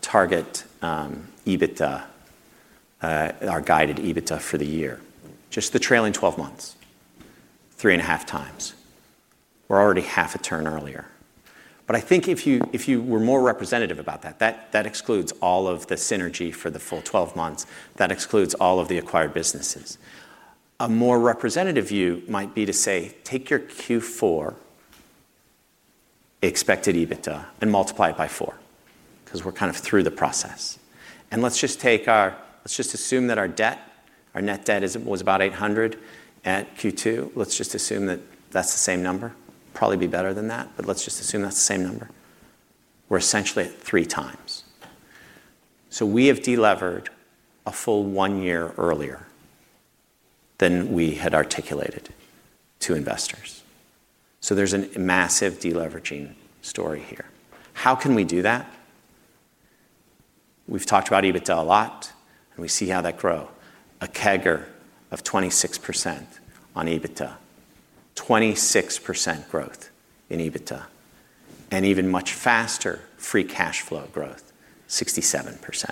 target EBITDA, our guided EBITDA for the year, just the trailing 12 months, 3.5 times. We're already 0.5 turn earlier. I think if you were more representative about that, that excludes all of the synergy for the full 12 months. That excludes all of the acquired businesses. A more representative view might be to say, take your Q4 expected EBITDA and multiply it by 4 because we're kind of through the process. And let's just assume that our net debt was about $800 million at Q2. Let's just assume that that's the same number. Probably be better than that. But let's just assume that's the same number. We're essentially at three times. So we have delivered a full one year earlier than we had articulated to investors. So there's a massive deleveraging story here. How can we do that? We've talked about EBITDA a lot. We see how that grows, a CAGR of 26% on EBITDA, 26% growth in EBITDA, and even much faster free cash flow growth, 67%.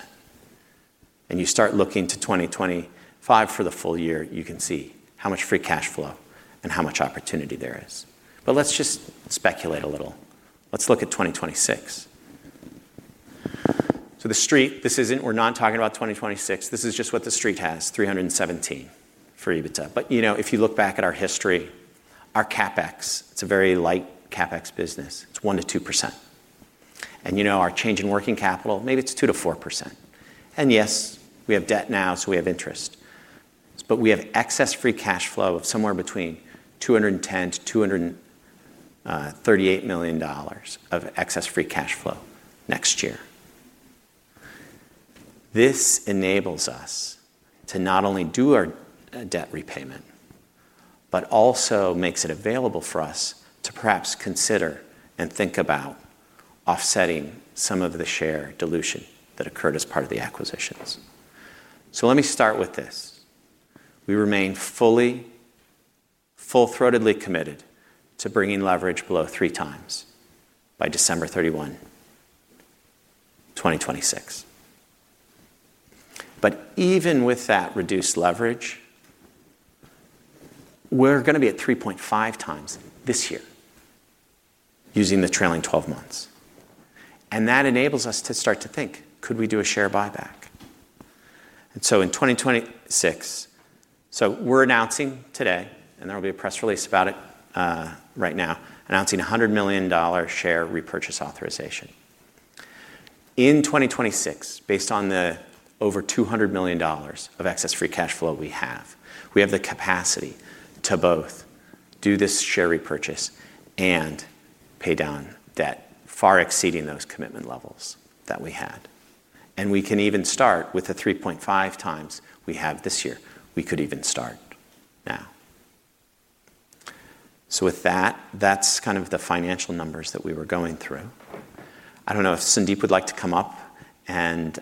You start looking to 2025 for the full year. You can see how much free cash flow and how much opportunity there is. But let's just speculate a little. Let's look at 2026. So the street. This isn't. We're not talking about 2026. This is just what the street has, $317 million for EBITDA. But if you look back at our history, our CapEx, it's a very light CapEx business. It's 1%-2%. And our change in working capital, maybe it's 2%-4%. And yes, we have debt now, so we have interest. But we have excess free cash flow of somewhere between $210 million and $238 million of excess free cash flow next year. This enables us to not only do our debt repayment but also makes it available for us to perhaps consider and think about offsetting some of the share dilution that occurred as part of the acquisitions. So let me start with this. We remain fully, full-throatedly committed to bringing leverage below three times by December 31, 2026. But even with that reduced leverage, we're going to be at 3.5 times this year using the trailing 12 months. And that enables us to start to think, could we do a share buyback? And so in 2026, so we're announcing today, and there will be a press release about it right now, announcing $100 million share repurchase authorization. In 2026, based on the over $200 million of excess free cash flow we have, we have the capacity to both do this share repurchase and pay down debt far exceeding those commitment levels that we had, and we can even start with the 3.5 times we have this year. We could even start now, so with that, that's kind of the financial numbers that we were going through. I don't know if Sandeep would like to come up and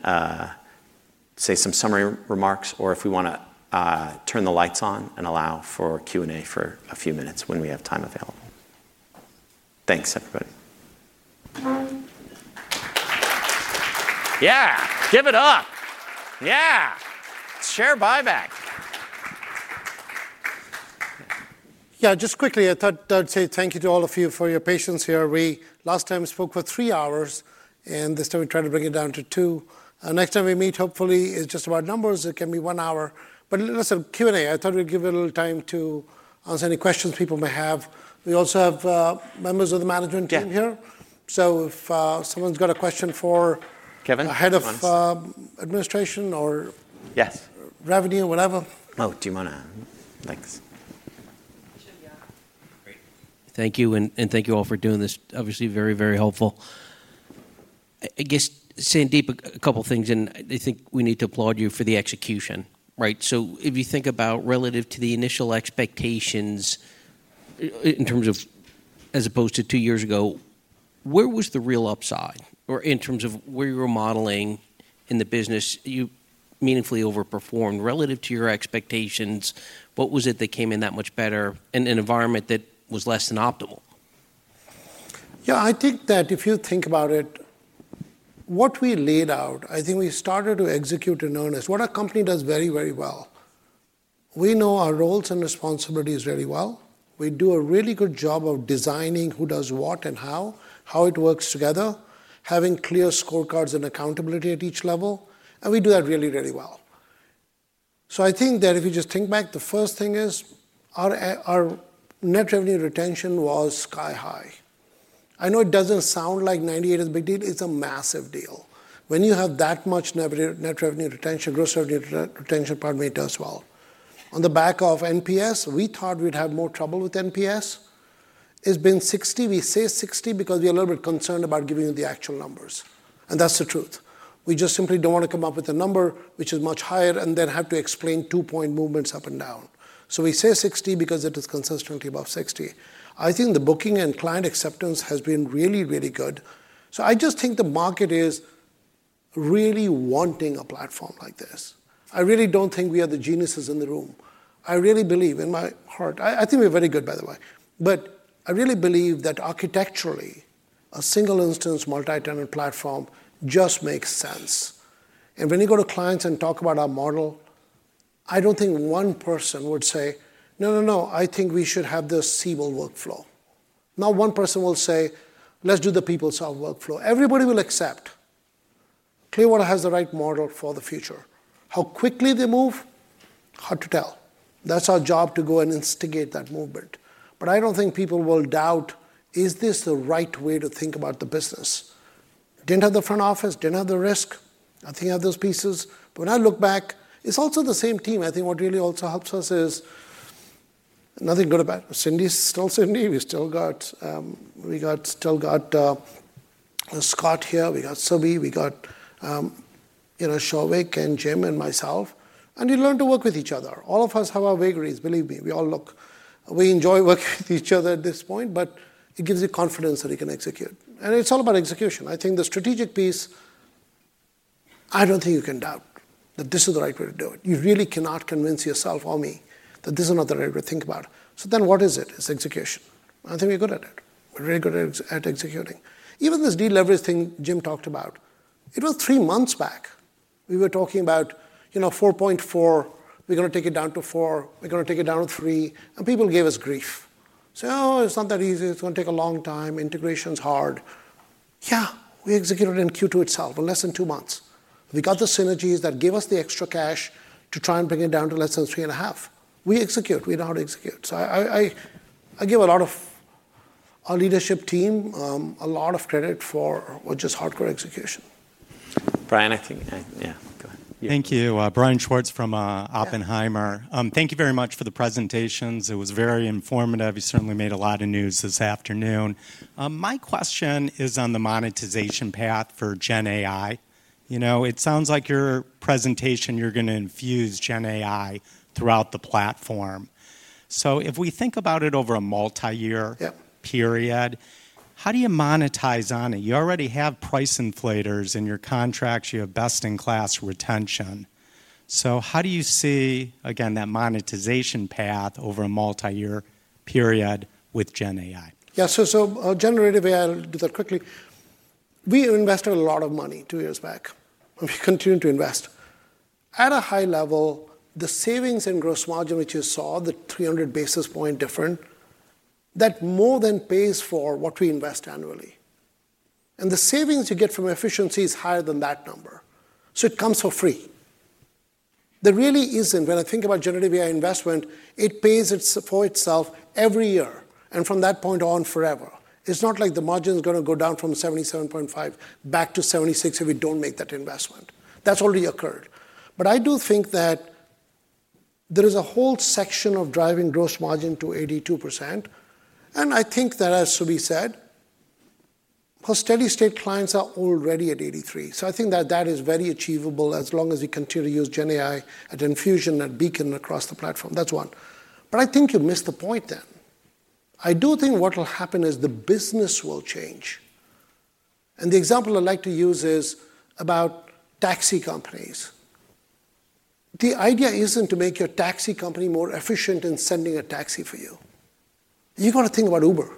say some summary remarks or if we want to turn the lights on and allow for Q&A for a few minutes when we have time available. Thanks, everybody. Yeah, give it up. Yeah, share buyback. Yeah, just quickly, I thought I'd say thank you to all of you for your patience here. Last time, we spoke for three hours, and this time, we tried to bring it down to two. Next time we meet, hopefully, it's just about numbers. It can be one hour. But listen, Q&A. I thought we'd give a little time to answer any questions people may have. We also have members of the management team here. So if someone's got a question for Kevin? Head of administration or revenue or whatever. Oh, do you want to? Thanks. Great. Thank you. And thank you all for doing this. Obviously, very, very helpful. I guess, Sandeep, a couple of things. And I think we need to applaud you for the execution, right? So if you think about relative to the initial expectations in terms of as opposed to two years ago, where was the real upside or in terms of where you were modeling in the business? You meaningfully overperformed relative to your expectations. What was it that came in that much better in an environment that was less than optimal? Yeah, I think that if you think about it, what we laid out, I think we started to execute in earnest. What a company does very, very well. We know our roles and responsibilities very well. We do a really good job of designing who does what and how, how it works together, having clear scorecards and accountability at each level. And we do that really, really well. So I think that if you just think back, the first thing is our net revenue retention was sky high. I know it doesn't sound like 98% is a big deal. It's a massive deal. When you have that much net revenue retention, gross revenue retention, pardon me, it does well. On the back of NPS, we thought we'd have more trouble with NPS. It's been 60. We say 60 because we are a little bit concerned about giving you the actual numbers. And that's the truth. We just simply don't want to come up with a number which is much higher and then have to explain two-point movements up and down. So we say 60 because it is consistently above 60. I think the booking and client acceptance has been really, really good. So I just think the market is really wanting a platform like this. I really don't think we are the geniuses in the room. I really believe in my heart. I think we're very good, by the way. But I really believe that architecturally, a single-instance multi-tenant platform just makes sense. And when you go to clients and talk about our model, I don't think one person would say, no, no, no, I think we should have the Siebel workflow. Not one person will say, let's do the PeopleSoft workflow. Everybody will accept. Clearwater has the right model for the future. How quickly they move, hard to tell. That's our job to go and instigate that movement. But I don't think people will doubt, is this the right way to think about the business? Didn't have the front office, didn't have the risk. Nothing of those pieces. But when I look back, it's also the same team. I think what really also helps us is nothing good about Cindy's still Cindy. We still got Scott here. We got Subi. We got Souvik and Jim and myself. And you learn to work with each other. All of us have our vagaries, believe me. We all look we enjoy working with each other at this point. But it gives you confidence that you can execute. And it's all about execution. I think the strategic piece. I don't think you can doubt that this is the right way to do it. You really cannot convince yourself or me that this is not the right way to think about it. So then what is it? It's execution. I think we're good at it. We're really good at executing. Even this deleveraging thing Jim talked about, it was three months back. We were talking about 4.4. We're going to take it down to 4. We're going to take it down to 3. And people gave us grief. So, oh, it's not that easy. It's going to take a long time. Integration's hard. Yeah, we executed in Q2 itself in less than two months. We got the synergies that gave us the extra cash to try and bring it down to less than 3.5. We execute. We know how to execute. So I give a lot of our leadership team a lot of credit for just hardcore execution. Brian, I think yeah, go ahead. Thank you. Brian Schwartz from Oppenheimer. Thank you very much for the presentations. It was very informative. You certainly made a lot of news this afternoon. My question is on the monetization path for GenAI. It sounds like your presentation, you're going to infuse GenAI throughout the platform. So if we think about it over a multi-year period, how do you monetize on it? You already have price inflators in your contracts. You have best-in-class retention. So how do you see, again, that monetization path over a multi-year period with GenAI? Yeah, so generative AI, I'll do that quickly. We invested a lot of money two years back. We continue to invest. At a high level, the savings in gross margin, which you saw, the 300 basis points difference, that more than pays for what we invest annually. And the savings you get from efficiency is higher than that number. So it comes for free. There really isn't. When I think about generative AI investment, it pays for itself every year. And from that point on, forever. It's not like the margin is going to go down from 77.5% back to 76% if we don't make that investment. That's already occurred. But I do think that there is a whole section of driving gross margin to 82%. And I think that, as Subi said, our steady-state clients are already at 83%. So I think that that is very achievable as long as we continue to use GenAI at Enfusion and Beacon across the platform. That's one. But I think you missed the point then. I do think what will happen is the business will change. And the example I like to use is about taxi companies. The idea isn't to make your taxi company more efficient in sending a taxi for you. You've got to think about Uber.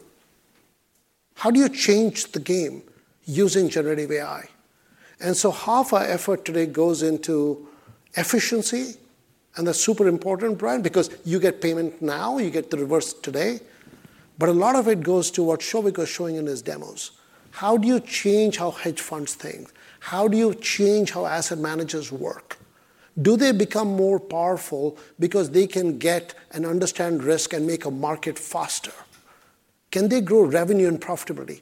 How do you change the game using generative AI? And so half our effort today goes into efficiency. And that's super important, Brian, because you get payment now. You get the reverse today. But a lot of it goes to what Souvik was showing in his demos. How do you change how hedge funds think? How do you change how asset managers work? Do they become more powerful because they can get and understand risk and make a market faster? Can they grow revenue and profitability?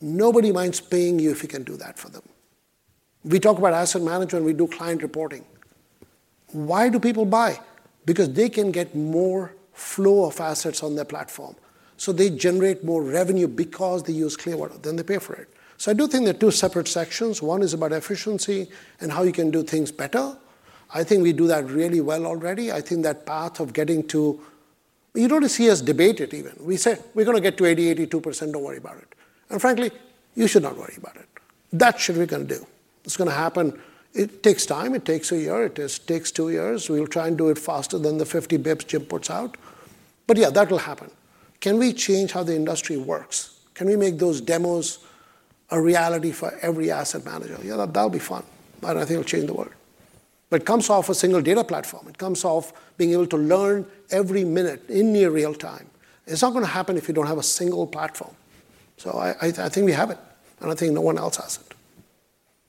Nobody minds paying you if you can do that for them. We talk about asset management. We do client reporting. Why do people buy? Because they can get more flow of assets on their platform. So they generate more revenue because they use Clearwater. Then they pay for it. So I do think there are two separate sections. One is about efficiency and how you can do things better. I think we do that really well already. I think that path of getting to you don't see us debate it even. We said, we're going to get to 80%, 82%. Don't worry about it. Frankly, you should not worry about it. That's what we're going to do. It's going to happen. It takes time. It takes a year. It takes two years. We'll try and do it faster than the 50 basis points Jim puts out. But yeah, that will happen. Can we change how the industry works? Can we make those demos a reality for every asset manager? Yeah, that'll be fun. And I think it'll change the world. But it comes off a single data platform. It comes off being able to learn every minute in near real time. It's not going to happen if you don't have a single platform. So I think we have it. And I think no one else has it.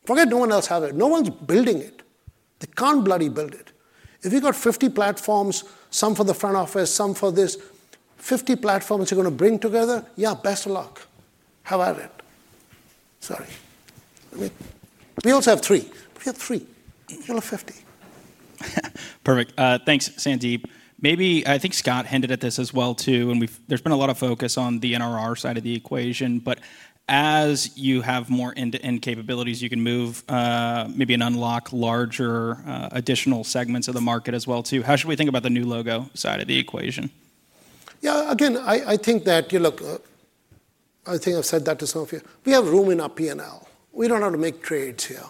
Forget no one else has it. No one's building it. They can't bloody build it. If you've got 50 platforms, some for the front office, some for this, 50 platforms you're going to bring together, yeah, best of luck. Have at it. Sorry. We also have three. We have three. You'll have 50. Perfect. Thanks, Sandeep. Maybe I think Scott hinted at this as well, too. And there's been a lot of focus on the NRR side of the equation. But as you have more end-to-end capabilities, you can move, maybe, and unlock larger additional segments of the market as well, too. How should we think about the new logo side of the equation? Yeah, again, I think that you look. I think I've said that to some of you. We have room in our P&L. We don't have to make trades here.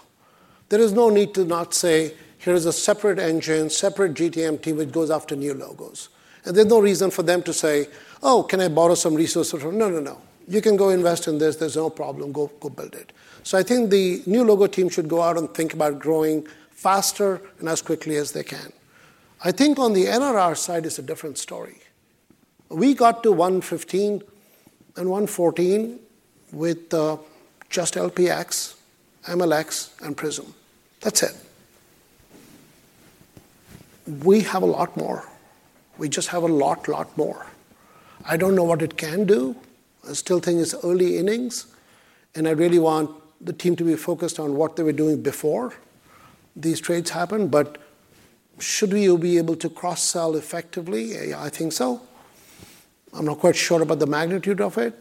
There is no need to not say, here is a separate engine, separate GTM team, which goes after new logos. And there's no reason for them to say, oh, can I borrow some resources? No, no, no. You can go invest in this. There's no problem. Go build it. So I think the new logo team should go out and think about growing faster and as quickly as they can. I think on the NRR side is a different story. We got to 115 and 114 with just LPx, MLx, and Prism. That's it. We have a lot more. We just have a lot, lot more. I don't know what it can do. I still think it's early innings. And I really want the team to be focused on what they were doing before these trades happen. But should we be able to cross-sell effectively? I think so. I'm not quite sure about the magnitude of it.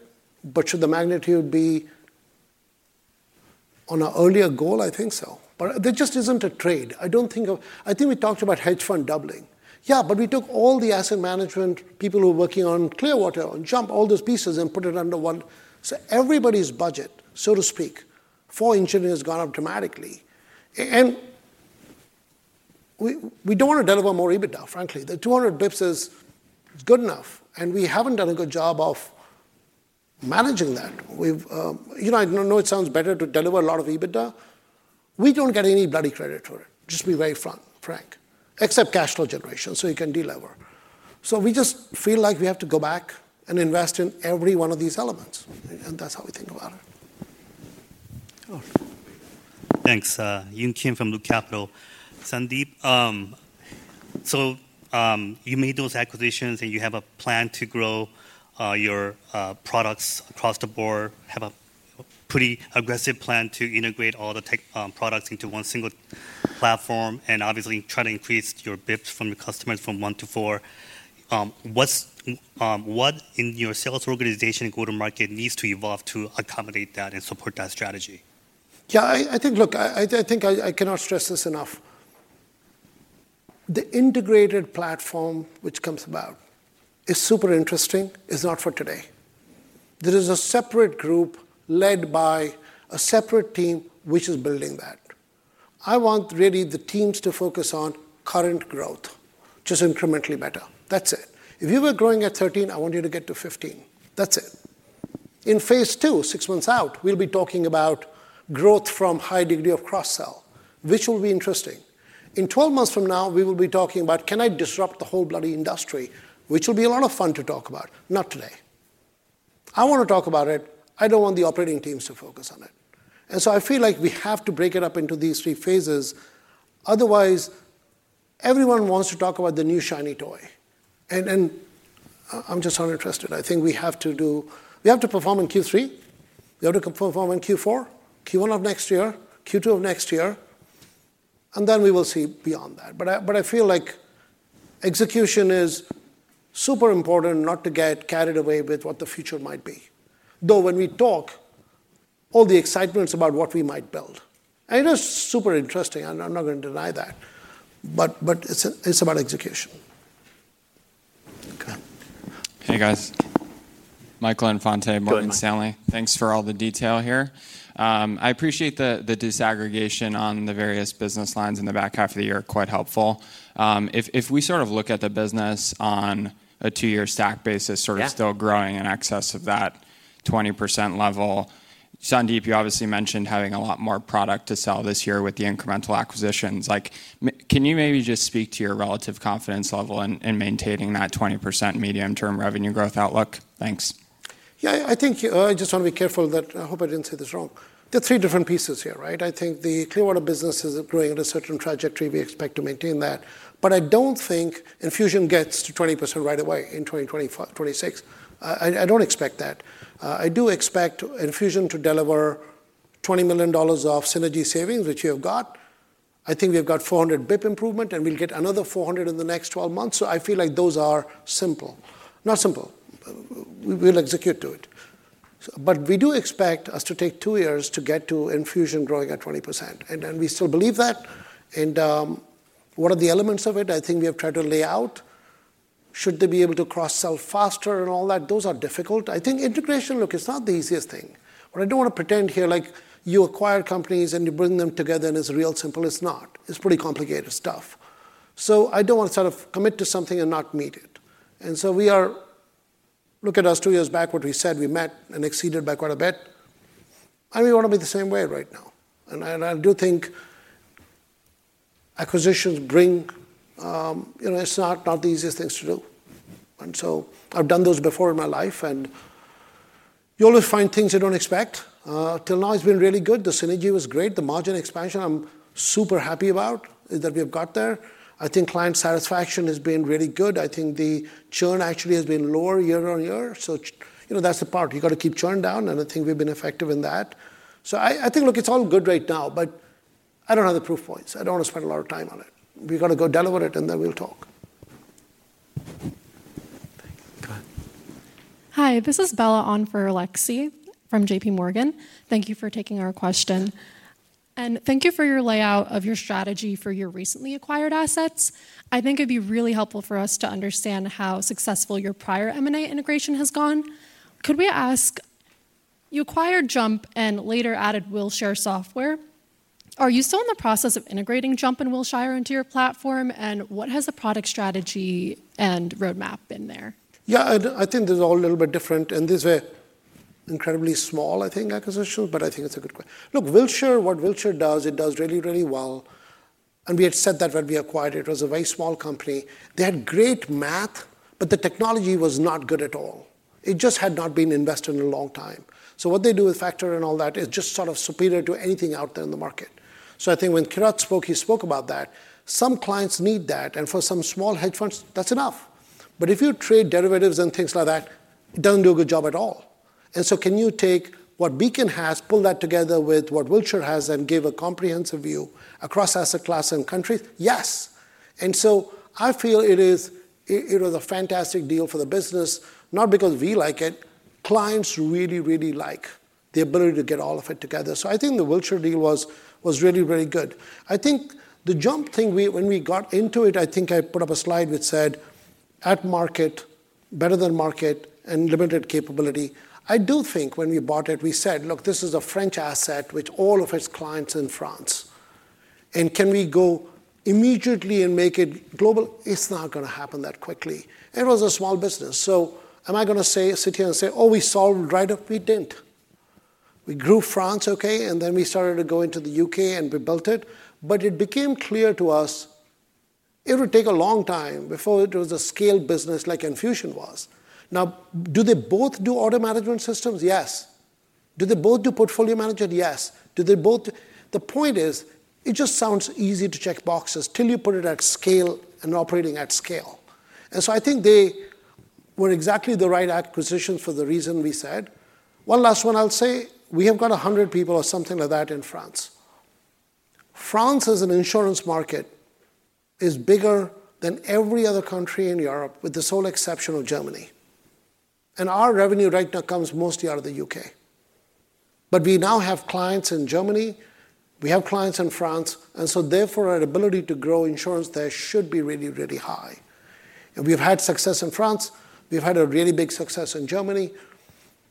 But should the magnitude be on an earlier goal? I think so. But there just isn't a trade. I don't think. I think we talked about hedge fund doubling. Yeah, but we took all the asset management people who were working on Clearwater, jump all those pieces and put it under one so everybody's budget, so to speak, for engineering has gone up dramatically. We don't want to deliver more EBITDA, frankly. The 200 bps is good enough. And we haven't done a good job of managing that. I know it sounds better to deliver a lot of EBITDA. We don't get any bloody credit for it, just to be very frank, except cash flow generation so you can deliver. So we just feel like we have to go back and invest in every one of these elements. And that's how we think about it. Thanks. Yun Kim from Loop Capital. Sandeep, so you made those acquisitions. And you have a plan to grow your products across the board, have a pretty aggressive plan to integrate all the products into one single platform, and obviously try to increase your bps from your customers from one to four. What in your sales organization and go-to-market needs to evolve to accommodate that and support that strategy? Yeah, I think, look, I think I cannot stress this enough. The integrated platform, which comes about, is super interesting. It's not for today. There is a separate group led by a separate team which is building that. I want really the teams to focus on current growth, just incrementally better. That's it. If you were growing at 13, I want you to get to 15. That's it. In phase two, six months out, we'll be talking about growth from high degree of cross-sell, which will be interesting. In 12 months from now, we will be talking about, can I disrupt the whole bloody industry, which will be a lot of fun to talk about. Not today. I want to talk about it. I don't want the operating teams to focus on it. And so I feel like we have to break it up into these three phases. Otherwise, everyone wants to talk about the new shiny toy. And I'm just uninterested. I think we have to perform in Q3. We have to perform in Q4, Q1 of next year, Q2 of next year. And then we will see beyond that. But I feel like execution is super important not to get carried away with what the future might be, though when we talk, all the excitement is about what we might build. And it is super interesting. I'm not going to deny that. But it's about execution. OK. Hey, guys. Michael Infante, Morgan Stanley, thanks for all the detail here. I appreciate the disaggregation on the various business lines in the back half of the year. Quite helpful. If we sort of look at the business on a two-year stack basis, sort of still growing in excess of that 20% level, Sandeep, you obviously mentioned having a lot more product to sell this year with the incremental acquisitions. Can you maybe just speak to your relative confidence level in maintaining that 20% medium-term revenue growth outlook? Thanks. Yeah, I think I just want to be careful that I hope I didn't say this wrong. There are three different pieces here, right? I think the Clearwater business is growing at a certain trajectory. We expect to maintain that. But I don't think Enfusion gets to 20% right away in 2026. I don't expect that. I do expect Enfusion to deliver $20 million of synergy savings, which you have got. I think we have got 400 basis points improvement. And we'll get another 400 basis points in the next 12 months. So I feel like those are simple. Not simple. We'll execute to it. But we do expect it to take two years to get to Enfusion growing at 20%. And we still believe that. And what are the elements of it? I think we have tried to lay out. Should they be able to cross-sell faster and all that? Those are difficult. I think integration, look, it's not the easiest thing. But I don't want to pretend here like you acquire companies and you bring them together. And it's real simple. It's not. It's pretty complicated stuff. So I don't want to sort of commit to something and not meet it. And so we're looking at us two years back, what we said. We met and exceeded by quite a bit. And we want to be the same way right now. I do think acquisitions bring. It's not the easiest things to do. And so I've done those before in my life. And you always find things you don't expect. Till now, it's been really good. The synergy was great. The margin expansion, I'm super happy about that we have got there. I think client satisfaction has been really good. I think the churn actually has been lower year on year. So that's the part. You've got to keep churn down. And I think we've been effective in that. So I think, look, it's all good right now. But I don't have the proof points. I don't want to spend a lot of time on it. We've got to go deliver it. And then we'll talk. Go ahead. Hi. This is Bella on for Alexei from JPMorgan. Thank you for taking our question. Thank you for your layout of your strategy for your recently acquired assets. I think it'd be really helpful for us to understand how successful your prior M&A integration has gone. Could we ask you acquired JUMP and later added Wilshire software? Are you still in the process of integrating JUMP and Wilshire into your platform? And what has the product strategy and roadmap been there? Yeah, I think they're all a little bit different. And these were incredibly small, I think, acquisitions. But I think it's a good question. Look, Wilshire, what Wilshire does, it does really, really well. And we had said that when we acquired it. It was a very small company. They had great math. But the technology was not good at all. It just had not been invested in a long time. So what they do with Factor and all that is just sort of superior to anything out there in the market. So I think when Kirat spoke, he spoke about that. Some clients need that. And for some small hedge funds, that's enough. But if you trade derivatives and things like that, it doesn't do a good job at all. And so can you take what Beacon has, pull that together with what Wilshire has, and give a comprehensive view across asset class and countries? Yes. And so I feel it is a fantastic deal for the business, not because we like it. Clients really, really like the ability to get all of it together. So I think the Wilshire deal was really, really good. I think the JUMP thing, when we got into it, I think I put up a slide which said at market, better than market, and limited capability. I do think when we bought it, we said, look, this is a French asset, which all of its clients are in France. Can we go immediately and make it global? It's not going to happen that quickly. It was a small business. So am I going to sit here and say, oh, we scaled right up? We didn't. We grew France, OK. Then we started to go into the UK and we built it. But it became clear to us it would take a long time before it was a scaled business like Enfusion was. Now, do they both do order management systems? Yes. Do they both do portfolio management? Yes. Do they both? The point is, it just sounds easy to check boxes till you put it at scale and operating at scale. And so I think they were exactly the right acquisitions for the reason we said. One last one I'll say. We have got 100 people or something like that in France. France as an insurance market is bigger than every other country in Europe, with the sole exception of Germany. And our revenue right now comes mostly out of the U.K. But we now have clients in Germany. We have clients in France. And so therefore, our ability to grow insurance there should be really, really high. And we've had success in France. We've had a really big success in Germany.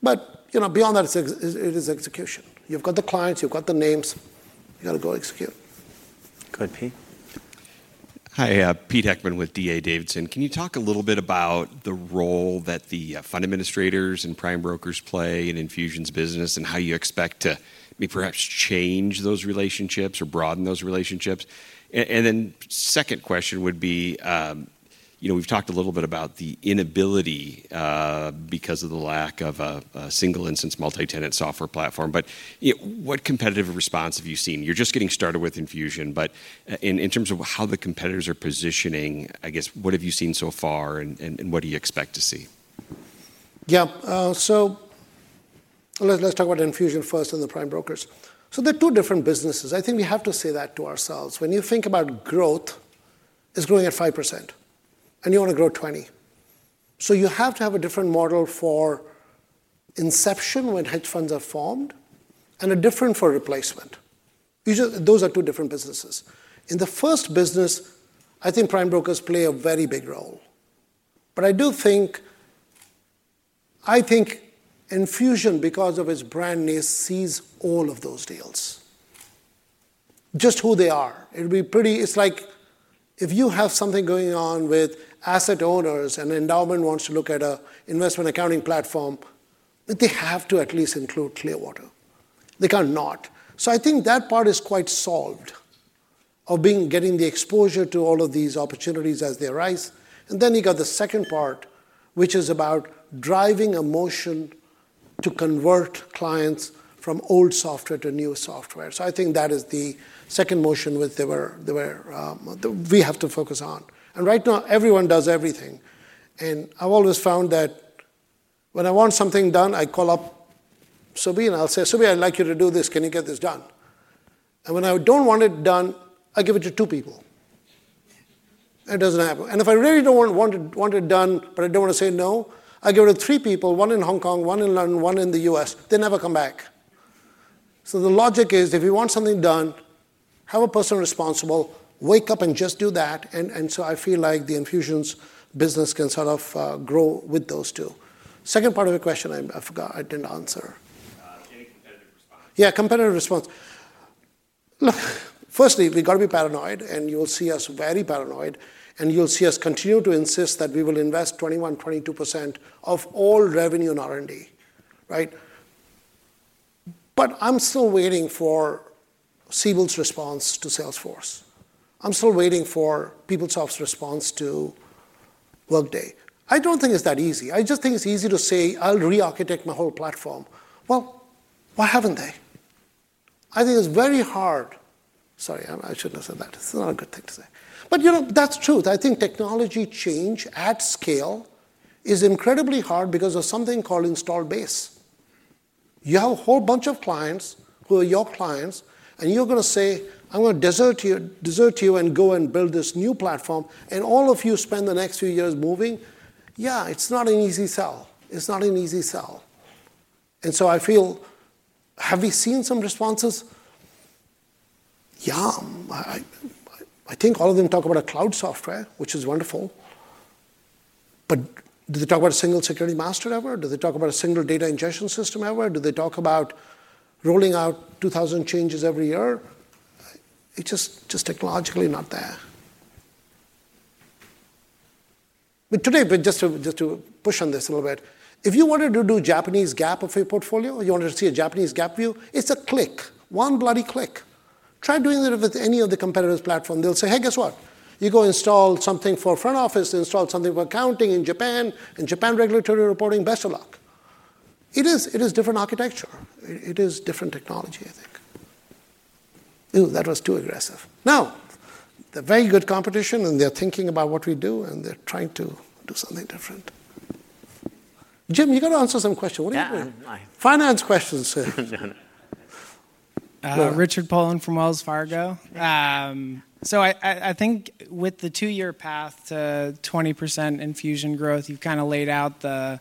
But beyond that, it is execution. You've got the clients. You've got the names. You've got to go execute. Good. Pete? Hi. Pete Heckmann with D.A. Davidson. Can you talk a little bit about the role that the fund administrators and prime brokers play in Enfusion's business and how you expect to maybe perhaps change those relationships or broaden those relationships? And then second question would be, we've talked a little bit about the inability because of the lack of a single-instance multi-tenant software platform. But what competitive response have you seen? You're just getting started with Enfusion. But in terms of how the competitors are positioning, I guess, what have you seen so far? And what do you expect to see? Yeah. So let's talk about Enfusion first and the prime brokers. So they're two different businesses. I think we have to say that to ourselves. When you think about growth, it's growing at 5%. And you want to grow 20%. So you have to have a different model for inception when hedge funds are formed and a different for replacement. Those are two different businesses. In the first business, I think prime brokers play a very big role. But I do think Enfusion, because of its brand name, sees all of those deals, just who they are. It would be pretty it's like if you have something going on with asset owners and an endowment wants to look at an investment accounting platform, they have to at least include Clearwater. They can't not. So I think that part is quite solved of getting the exposure to all of these opportunities as they arise. And then you've got the second part, which is about driving a motion to convert clients from old software to new software. So I think that is the second motion we have to focus on. And right now, everyone does everything. And I've always found that when I want something done, I call up Sabine. I'll say, Sabine, I'd like you to do this. Can you get this done? And when I don't want it done, I give it to two people. It doesn't happen. And if I really don't want it done, but I don't want to say no, I give it to three people, one in Hong Kong, one in London, one in the US. They never come back. So the logic is, if you want something done, have a person responsible. Wake up and just do that. And so I feel like the Enfusion's business can sort of grow with those two. Second part of your question, I forgot. I didn't answer. Any competitive response? Yeah, competitive response. Look, firstly, we've got to be paranoid. And you will see us very paranoid. And you'll see us continue to insist that we will invest 21%, 22% of all revenue in R&D, right? But I'm still waiting for Siebel's response to Salesforce. I'm still waiting for PeopleSoft's response to Workday. I don't think it's that easy. I just think it's easy to say, I'll re-architect my whole platform. Well, why haven't they? I think it's very hard. Sorry, I shouldn't have said that. It's not a good thing to say. But that's truth. I think technology change at scale is incredibly hard because of something called installed base. You have a whole bunch of clients who are your clients. And you're going to say, I'm going to desert you and go and build this new platform. And all of you spend the next few years moving. Yeah, it's not an easy sell. It's not an easy sell. And so I feel, have we seen some responses? Yeah. I think all of them talk about a cloud software, which is wonderful. But do they talk about a single security master ever? Do they talk about a single data ingestion system ever? Do they talk about rolling out 2,000 changes every year? It's just technologically not there. But today, just to push on this a little bit, if you wanted to do Japanese GAAP of a portfolio, you wanted to see a Japanese GAAP view, it's a click, one bloody click. Try doing that with any of the competitors' platform. They'll say, hey, guess what? You go install something for front office, install something for accounting in Japan, and Japan regulatory reporting, best of luck. It is different architecture. It is different technology, I think. Ooh, that was too aggressive. Now, they're very good competition. And they're thinking about what we do. And they're trying to do something different. Jim, you've got to answer some questions. Finance questions. Richard Poland from Wells Fargo. So I think with the two-year path to 20% Enfusion growth, you've kind of laid out the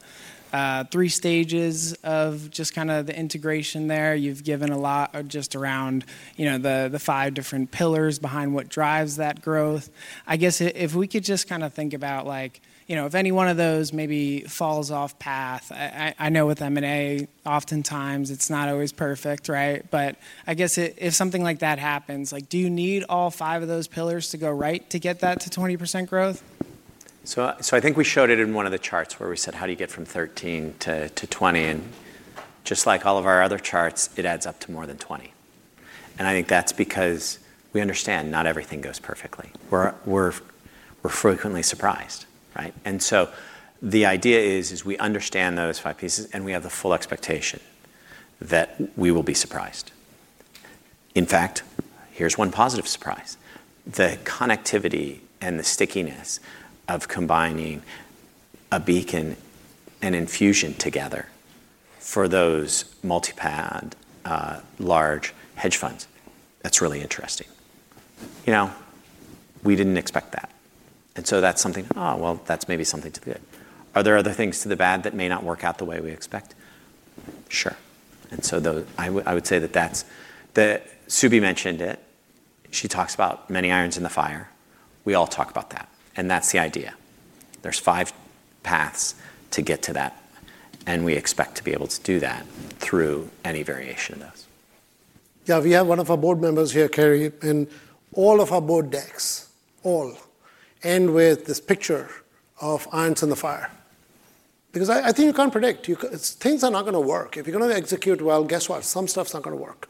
three stages of just kind of the integration there. You've given a lot just around the five different pillars behind what drives that growth. I guess if we could just kind of think about if any one of those maybe falls off path. I know with M&A, oftentimes, it's not always perfect, right? But I guess if something like that happens, do you need all five of those pillars to go right to get that to 20% growth? So I think we showed it in one of the charts where we said, how do you get from 13 to 20? And just like all of our other charts, it adds up to more than 20. And I think that's because we understand not everything goes perfectly. We're frequently surprised, right? And so the idea is, we understand those five pieces. And we have the full expectation that we will be surprised. In fact, here's one positive surprise. The connectivity and the stickiness of combining a Beacon and Enfusion together for those multi-path, large hedge funds, that's really interesting. We didn't expect that. And so that's something, oh, well, that's maybe something to the good. Are there other things to the bad that may not work out the way we expect? Sure. And so I would say that that's Subi mentioned it. She talks about many irons in the fire. We all talk about that. And that's the idea. There's five paths to get to that. We expect to be able to do that through any variation of those. Yeah, we have one of our board members here, Cary, and all of our board decks end with this picture of irons in the fire. Because I think you can't predict. Things are not going to work. If you're going to execute well, guess what? Some stuff's not going to work.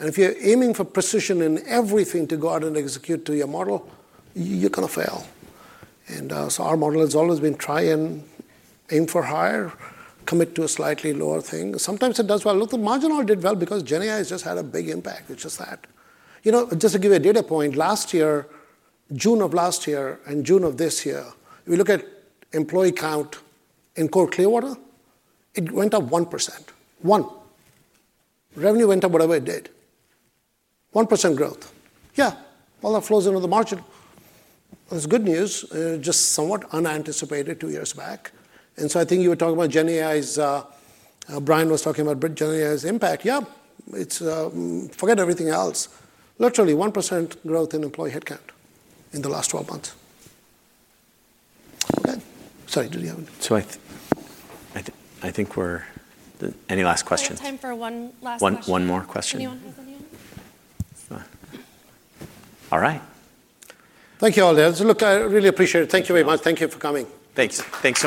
And if you're aiming for precision in everything to go out and execute to your model, you're going to fail. And so our model has always been try and aim for higher, commit to a slightly lower thing. Sometimes it does well. Look, the marginal did well because GenAI has just had a big impact. It's just that. Just to give you a data point, last year, June of last year and June of this year, if you look at employee count in core Clearwater, it went up 1%. One. Revenue went up whatever it did. 1% growth. Yeah, all that flows into the margin. There's good news, just somewhat unanticipated two years back. And so I think you were talking about GenAI. Brian was talking about GenAI's impact. Yeah, forget everything else. Literally, 1% growth in employee headcount in the last 12 months. OK. Sorry, did you have any? So I think we're any last questions? Time for one last question. One more question. Anyone has any other? All right. Thank you, all there. Look, I really appreciate it. Thank you very much. Thank you for coming. Thanks. Thanks so much.